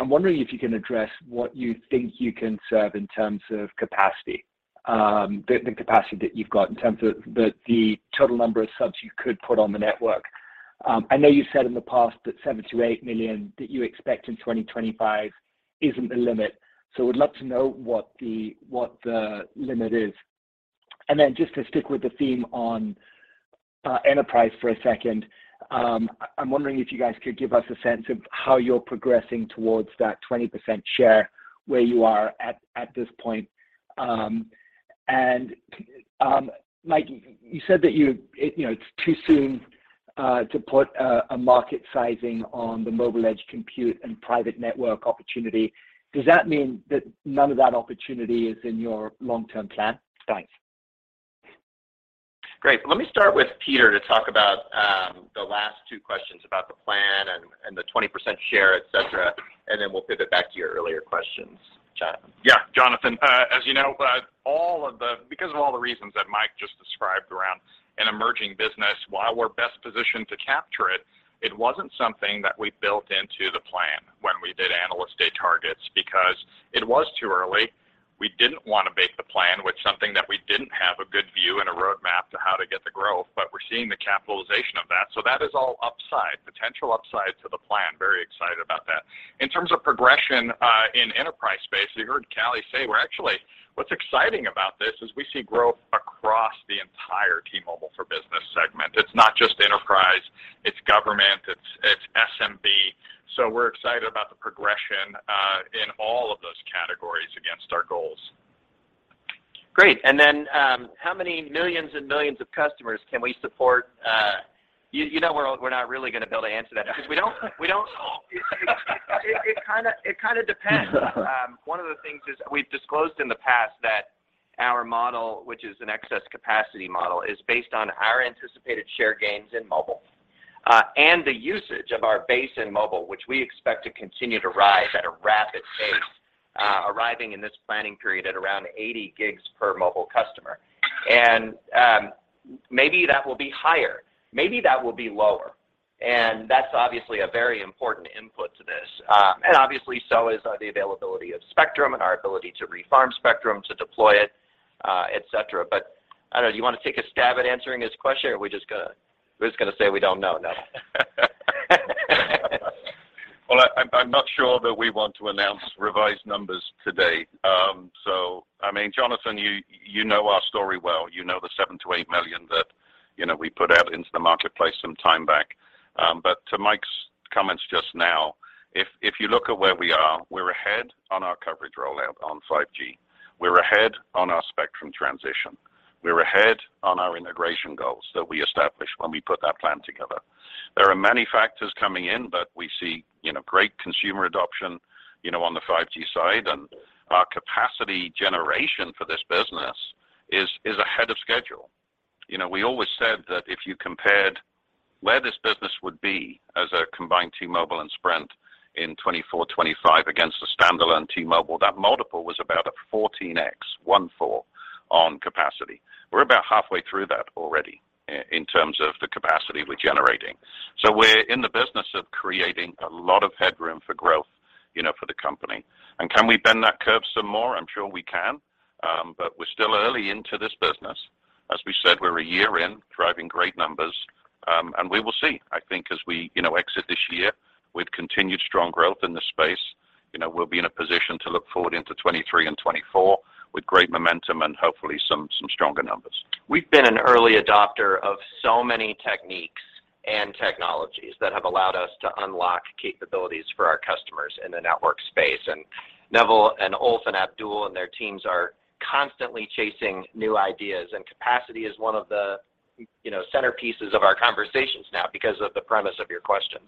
wondering if you can address what you think you can serve in terms of capacity, the capacity that you've got in terms of the total number of subs you could put on the network. I know you said in the past that 7-8 million that you expect in 2025 isn't the limit. Would love to know what the limit is. Just to stick with the theme on enterprise for a second, I'm wondering if you guys could give us a sense of how you're progressing towards that 20% share, where you are at this point. Mike, you said that it, you know, it's too soon to put a market sizing on the mobile edge computing and private network opportunity. Does that mean that none of that opportunity is in your long-term plan? Thanks. Great. Let me start with Peter to talk about the last two questions about the plan and the 20% share, et cetera, and then we'll pivot back to your earlier questions, Jonathan. Yeah. Jonathan, as you know, because of all the reasons that Mike just described around an emerging business, while we're best positioned to capture it wasn't something that we built into the plan when we did Analyst Day targets because it was too early. We didn't want to bake the plan with something that we didn't have a good view and a roadmap to how to get the growth. We're seeing the capitalization of that is all upside, potential upside to the plan. Very excited about that. In terms of progression, in enterprise space, you heard Callie say what's exciting about this is we see growth across the entire T-Mobile for Business segment. It's not just enterprise. It's government. It's SMB. We're excited about the progression, in all of those categories against our goals. Great. How many millions and millions of customers can we support? You know we're not really gonna be able to answer that because we don't. It kinda depends. One of the things is we've disclosed in the past that our model, which is an excess capacity model, is based on our anticipated share gains in mobile, and the usage of our base in mobile, which we expect to continue to rise at a rapid pace, arriving in this planning period at around 80 gigs per mobile customer. Maybe that will be higher, maybe that will be lower, and that's obviously a very important input to this. Obviously, so is the availability of spectrum and our ability to refarm spectrum to deploy it, etc. I don't know, do you wanna take a stab at answering his question, or are we just gonna say we don't know, Neville? Well, I'm not sure that we want to announce revised numbers today. I mean, Jonathan, you know our story well. You know the 7-8 million that we put out into the marketplace some time back. To Mike's comments just now, if you look at where we are, we're ahead on our coverage rollout on 5G. We're ahead on our spectrum transition. We're ahead on our integration goals that we established when we put that plan together. There are many factors coming in, but we see great consumer adoption on the 5G side, and our capacity generation for this business is ahead of schedule. You know, we always said that if you compared where this business would be as a combined T-Mobile and Sprint in 2024, 2025 against a standalone T-Mobile, that multiple was about a 14x on capacity. We're about halfway through that already in terms of the capacity we're generating. We're in the business of creating a lot of headroom for growth, you know, for the company. Can we bend that curve some more? I'm sure we can, but we're still early into this business. As we said, we're a year in, driving great numbers, and we will see. I think as we, you know, exit this year with continued strong growth in this space, you know, we'll be in a position to look forward into 2023 and 2024 with great momentum and hopefully some stronger numbers. We've been an early adopter of so many techniques and technologies that have allowed us to unlock capabilities for our customers in the network space, and Neville and Olaf and Abdul and their teams are constantly chasing new ideas, and capacity is one of the, you know, centerpieces of our conversations now because of the premise of your question.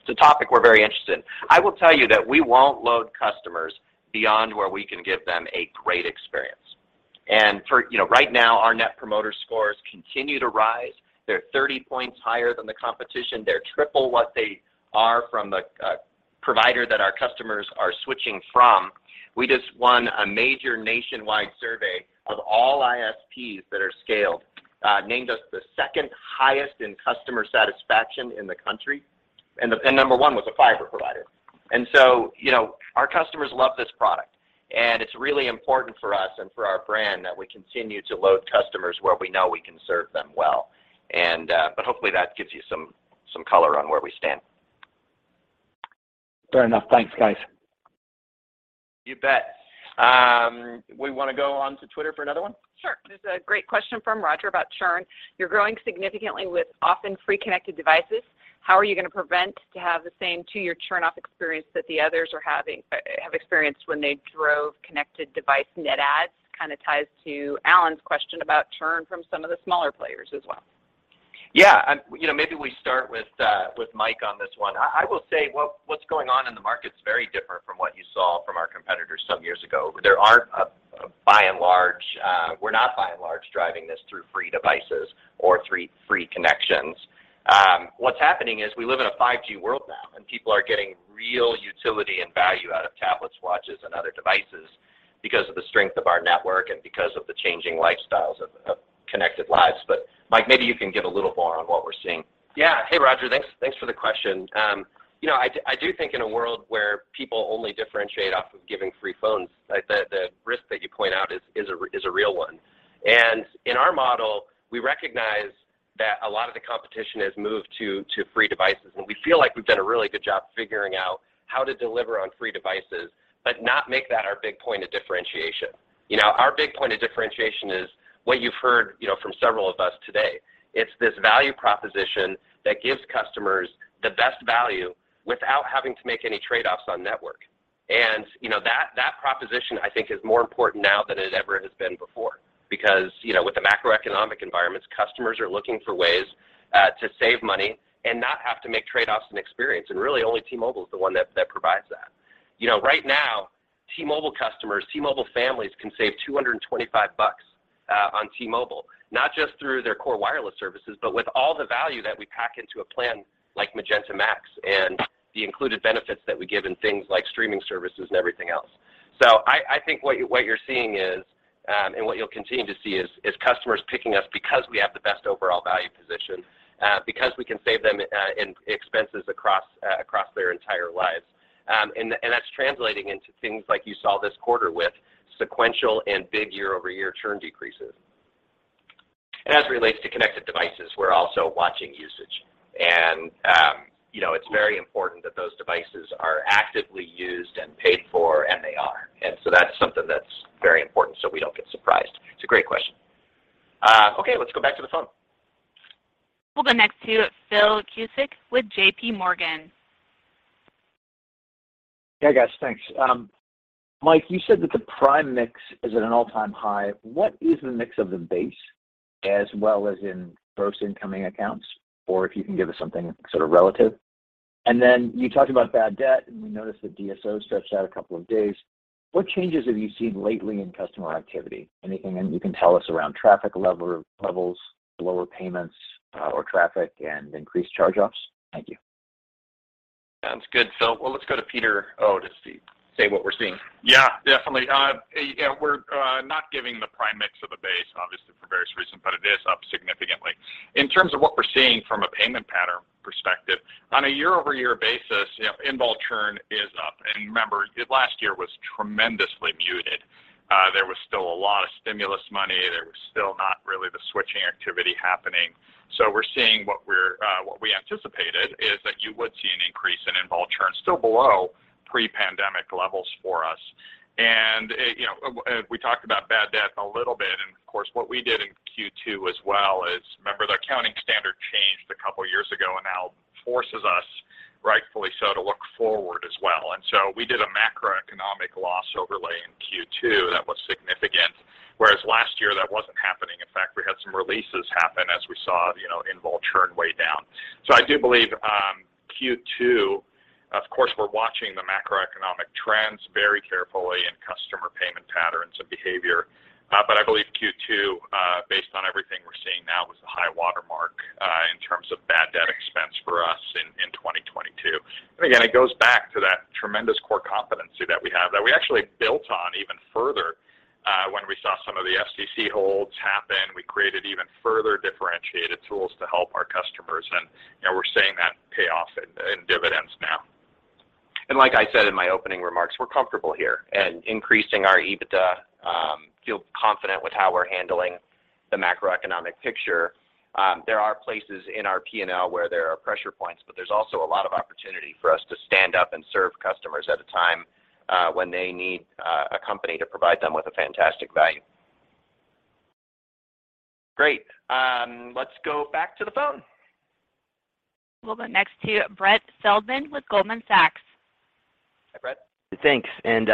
It's a topic we're very interested in. I will tell you that we won't load customers beyond where we can give them a great experience. For, you know, right now, our net promoter scores continue to rise. They're 30 points higher than the competition. They're triple what they are from the provider that our customers are switching from. We just won a major nationwide survey of all ISPs that are scaled, named us the second highest in customer satisfaction in the country, and number one was a fiber provider. You know, our customers love this product, and it's really important for us and for our brand that we continue to load customers where we know we can serve them well. Hopefully that gives you some color on where we stand. Fair enough. Thanks, guys. You bet. We wanna go on to Twitter for another one? Sure. There's a great question from Roger about churn. You're growing significantly with often free connected devices. How are you gonna prevent to have the same two-year churn off experience that the others have experienced when they drove connected device net adds? Kinda ties to Alan's question about churn from some of the smaller players as well. Yeah. You know, maybe we start with Mike on this one. I will say what's going on in the market's very different from what you saw from our competitors some years ago. There aren't, by and large, we're not by and large driving this through free devices or free connections. What's happening is we live in a 5G world now, and people are getting real utility and value out of tablets, watches, and other devices because of the strength of our network and because of the changing lifestyles of connected lives. Mike, maybe you can give a little more on what we're seeing. Yeah. Hey, Roger. Thanks for the question. You know, I do think in a world where people only differentiate off of giving free phones, like, the risk that you point out is a real one. In our model, we recognize that a lot of the competition has moved to free devices, and we feel like we've done a really good job figuring out how to deliver on free devices, but not make that our big point of differentiation. You know, our big point of differentiation is what you've heard, you know, from several of us today. It's this value proposition that gives customers the best value without having to make any trade-offs on network. You know, that proposition I think is more important now than it ever has been before because, you know, with the macroeconomic environments, customers are looking for ways to save money and not have to make trade-offs in experience, and really only T-Mobile is the one that provides that. You know, right now, T-Mobile customers, T-Mobile families can save $225 on T-Mobile, not just through their core wireless services, but with all the value that we pack into a plan like Magenta MAX and the included benefits that we give in things like streaming services and everything else. I think what you're seeing is, and what you'll continue to see is customers picking us because we have the best overall value position, because we can save them in expenses across their entire lives. That's translating into things like you saw this quarter with sequential and big year-over-year churn decreases. As it relates to connected devices, we're also watching usage. It's very important that those devices are actively used and paid for, and they are. That's something that's very important so we don't get surprised. It's a great question. Okay, let's go back to the phone. We'll go next to Phil Cusick with JPMorgan. Yeah, guys. Thanks. Mike, you said that the prime mix is at an all-time high. What is the mix of the base as well as in gross incoming accounts, or if you can give us something sort of relative? You talked about bad debt, and we noticed that DSO stretched out a couple of days. What changes have you seen lately in customer activity? Anything that you can tell us around traffic levels, lower payments, or traffic and increased charge-offs? Thank you. Sounds good, Phil. Well, let's go to Peter O. to see, say what we're seeing. Yeah, definitely. You know, we're not giving the prime mix of the base obviously for various reasons, but it is up significantly. In terms of what we're seeing from a payment pattern perspective, on a year-over-year basis, you know, involved churn is up. Remember, last year was tremendously muted. There was still a lot of stimulus money. There was still not really the switching activity happening. We're seeing what we anticipated is that you would see an increase in involved churn, still below pre-pandemic levels for us. You know, we talked about bad debt a little bit. Of course, what we did in Q2 as well is, remember the accounting standard changed a couple years ago and now forces us, rightfully so, to look forward as well. We did a macroeconomic loss overlay in Q2 that was significant, whereas last year that wasn't happening. In fact, we had some reserve releases happen as we saw, you know, overall churn way down. I do believe Q2, of course, we're watching the macroeconomic trends very carefully and customer payment patterns of behavior. But I believe Q2, based on everything we're seeing now, was the high watermark in terms of bad debt expense for us in 2022. It goes back to that tremendous core competency that we have, that we actually built on even further, when we saw some of the FCC holds happen. We created even further differentiated tools to help our customers, and, you know, we're seeing that pay off in dividends now. Like I said in my opening remarks, we're comfortable here and increasing our EBITDA, feel confident with how we're handling the macroeconomic picture. There are places in our P&L where there are pressure points, but there's also a lot of opportunity for us to stand up and serve customers at a time when they need a company to provide them with a fantastic value. Great. Let's go back to the phone. We'll go next to Brett Feldman with Goldman Sachs. Hi, Brett. Thanks. I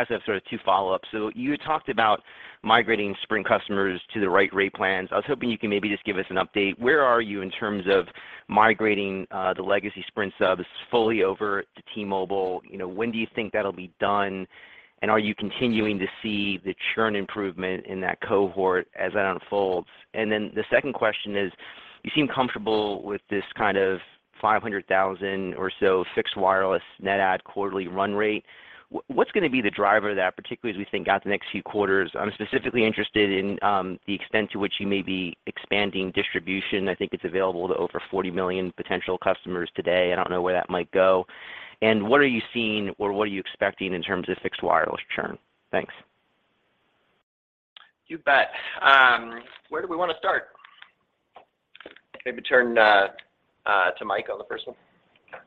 also have sort of two follow-ups. you talked about migrating Sprint customers to the right rate plans. I was hoping you can maybe just give us an update. Where are you in terms of migrating the legacy Sprint subs fully over to T-Mobile? You know, when do you think that'll be done? are you continuing to see the churn improvement in that cohort as that unfolds? the second question is, you seem comfortable with this kind of 500,000 or so fixed wireless net add quarterly run rate. What's gonna be the driver of that, particularly as we think out the next few quarters? I'm specifically interested in the extent to which you may be expanding distribution. I think it's available to over 40 million potential customers today. I don't know where that might go. What are you seeing or what are you expecting in terms of fixed wireless churn? Thanks. You bet. Where do we wanna start? Maybe turn to Mike on the first one. Okay.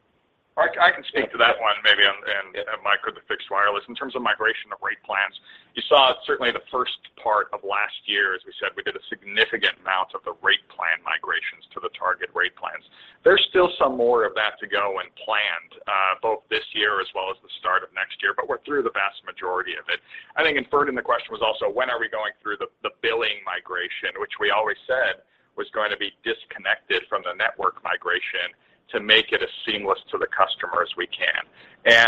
Mike, I can speak to that one maybe on and Mike with the fixed wireless. In terms of migration of rate plans, you saw certainly the first part of last year, as we said, we did a significant amount of the rate plan migrations to the target rate plans. There's still some more of that to go and planned both this year as well as the start of next year, but we're through the vast majority of it. I think inferred in the question was also when are we going through the billing migration, which we always said was going to be disconnected from the network migration to make it as seamless to the customer as we can.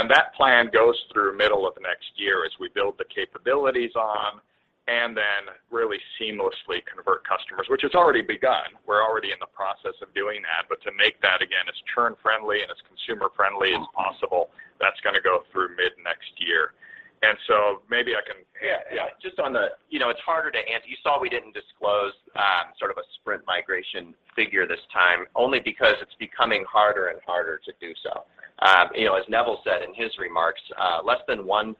That plan goes through middle of next year as we build the capabilities on and then really seamlessly convert customers, which has already begun. We're already in the process of doing that. To make that, again, as churn friendly and as consumer friendly as possible, that's gonna go through mid-next year. Maybe I can. Yeah, yeah. Just on the. You know, it's harder to answer. You saw we didn't disclose sort of a Sprint migration figure this time, only because it's becoming harder and harder to do so. You know, as Neville said in his remarks, less than 1%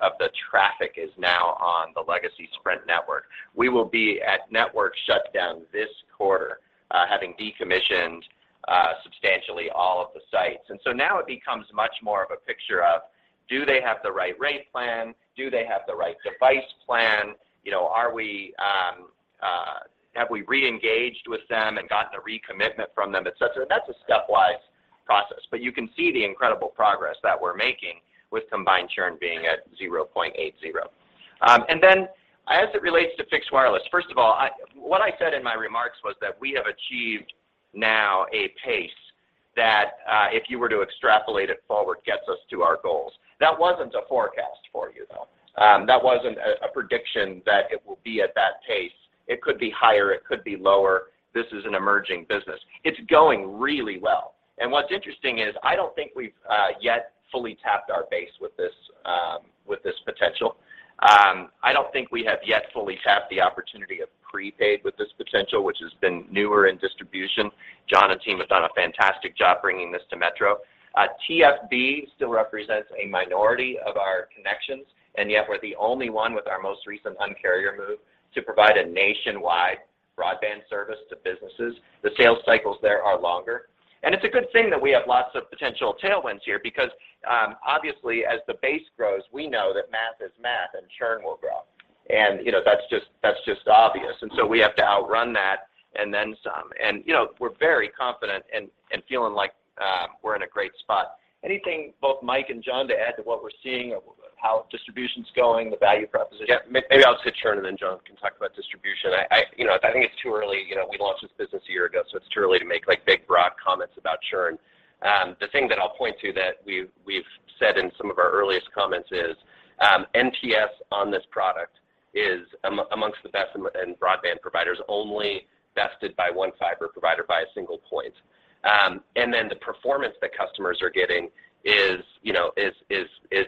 of the traffic is now on the legacy Sprint network. We will be at network shutdown this quarter, having decommissioned substantially all of the sites. So now it becomes much more of a picture of do they have the right rate plan? Do they have the right device plan? You know, have we re-engaged with them and gotten a recommitment from them? Et cetera. That's a stepwise process. You can see the incredible progress that we're making with combined churn being at 0.80%. As it relates to fixed wireless, first of all, what I said in my remarks was that we have achieved now a pace that, if you were to extrapolate it forward, gets us to our goals. That wasn't a forecast for you, though. That wasn't a prediction that it will be at that pace. It could be higher, it could be lower. This is an emerging business. It's going really well. What's interesting is I don't think we've yet fully tapped our base with this potential. I don't think we have yet fully tapped the opportunity of prepaid with this potential, which has been newer in distribution. John and team have done a fantastic job bringing this to Metro. TFB still represents a minority of our connections, and yet we're the only one with our most recent Un-carrier move to provide a nationwide broadband service to businesses. The sales cycles there are longer. It's a good thing that we have lots of potential tailwinds here because obviously as the base grows, we know that math is math and churn will grow. You know, that's just obvious. We have to outrun that and then some. You know, we're very confident and feeling like we're in a great spot. Anything both Mike and John to add to what we're seeing, how distribution's going, the value proposition? Maybe I'll say churn, and then John can talk about distribution. You know, I think it's too early. You know, we launched this business a year ago, so it's too early to make, like, big, broad comments about churn. The thing that I'll point to that we've said in some of our earliest comments is, NPS on this product is amongst the best in broadband providers, only bested by one fiber provider by a single point. And then the performance that customers are getting is, you know, is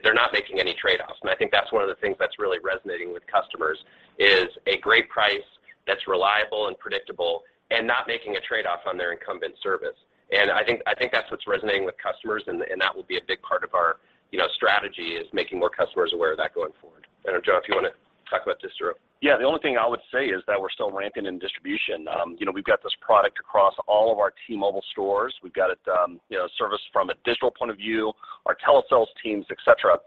they're not making any trade-offs. I think that's one of the things that's really resonating with customers is a great price that's reliable and predictable and not making a trade-off on their incumbent service. I think that's what's resonating with customers and that will be a big part of our, you know, strategy is making more customers aware of that going forward. I don't know, John, if you wanna talk about this at all. Yeah. The only thing I would say is that we're still ramping in distribution. You know, we've got this product across all of our T-Mobile stores. We've got it, you know, serviced from a digital point of view, our telesales teams, et cetera.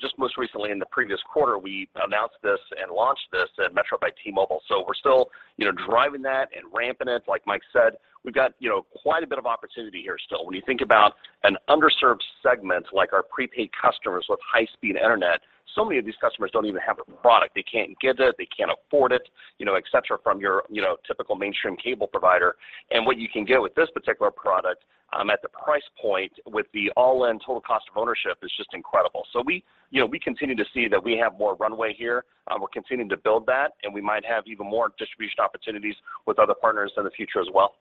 Just most recently in the previous quarter, we announced this and launched this at Metro by T-Mobile. We're still, you know, driving that and ramping it. Like Mike said, we've got, you know, quite a bit of opportunity here still. When you think about an underserved segment like our prepaid customers with high-speed internet, so many of these customers don't even have a product. They can't get it, they can't afford it, you know, et cetera, from your, you know, typical mainstream cable provider. What you can get with this particular product, at the price point with the all-in total cost of ownership is just incredible. We continue to see that we have more runway here. We're continuing to build that, and we might have even more distribution opportunities with other partners in the future as well.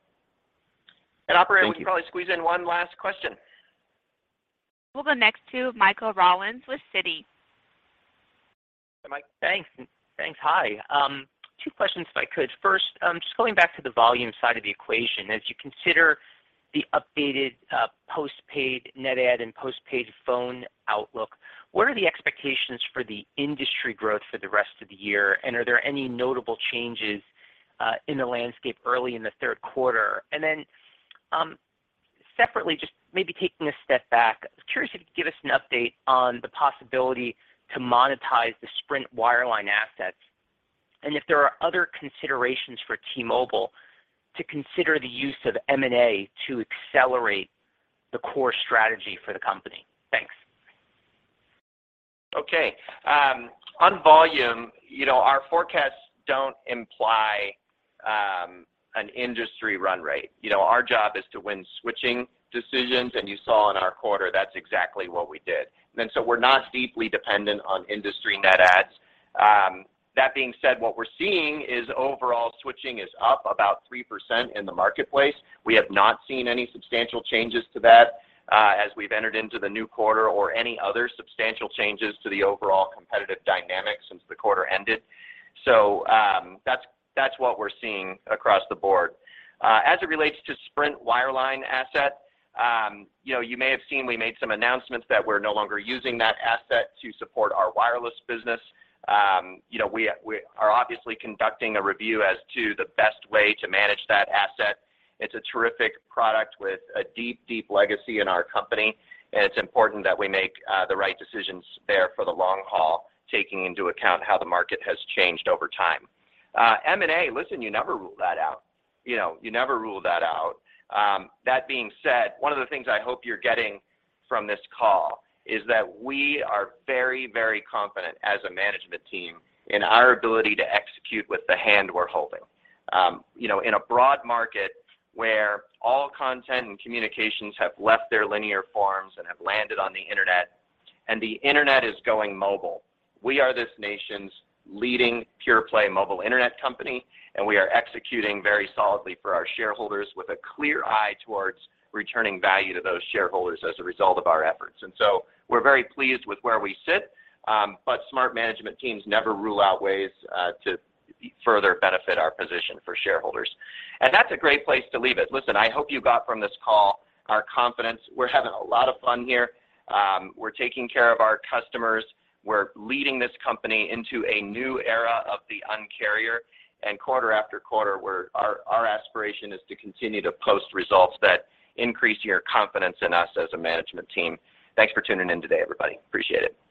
Operator, we can probably squeeze in one last question. We'll go next to Michael Rollins with Citi. Hi, Mike. Thanks. Hi. Two questions if I could. First, just going back to the volume side of the equation, as you consider the updated postpaid net add and postpaid phone outlook, what are the expectations for the industry growth for the rest of the year? Are there any notable changes in the landscape early in the third quarter? Separately, just maybe taking a step back. I was curious if you could give us an update on the possibility to monetize the Sprint wireline assets, and if there are other considerations for T-Mobile to consider the use of M&A to accelerate the core strategy for the company? Thanks. Okay. On volume, you know, our forecasts don't imply an industry run rate. You know, our job is to win switching decisions, and you saw in our quarter that's exactly what we did. We're not deeply dependent on industry net adds. That being said, what we're seeing is overall switching is up about 3% in the marketplace. We have not seen any substantial changes to that, as we've entered into the new quarter or any other substantial changes to the overall competitive dynamics since the quarter ended. That's what we're seeing across the board. As it relates to Sprint wireline asset, you know, you may have seen we made some announcements that we're no longer using that asset to support our wireless business. You know, we are obviously conducting a review as to the best way to manage that asset. It's a terrific product with a deep, deep legacy in our company, and it's important that we make the right decisions there for the long haul, taking into account how the market has changed over time. M&A, listen, you never rule that out. You know, you never rule that out. That being said, one of the things I hope you're getting from this call is that we are very, very confident as a management team in our ability to execute with the hand we're holding. You know, in a broad market where all content and communications have left their linear forms and have landed on the Internet, and the Internet is going mobile, we are this nation's leading pure play mobile Internet company, and we are executing very solidly for our shareholders with a clear eye towards returning value to those shareholders as a result of our efforts. We're very pleased with where we sit, but smart management teams never rule out ways to further benefit our position for shareholders. That's a great place to leave it. Listen, I hope you got from this call our confidence. We're having a lot of fun here. We're taking care of our customers. We're leading this company into a new era of the Un-carrier. Quarter-after-quarter, our aspiration is to continue to post results that increase your confidence in us as a management team. Thanks for tuning in today, everybody. Appreciate it.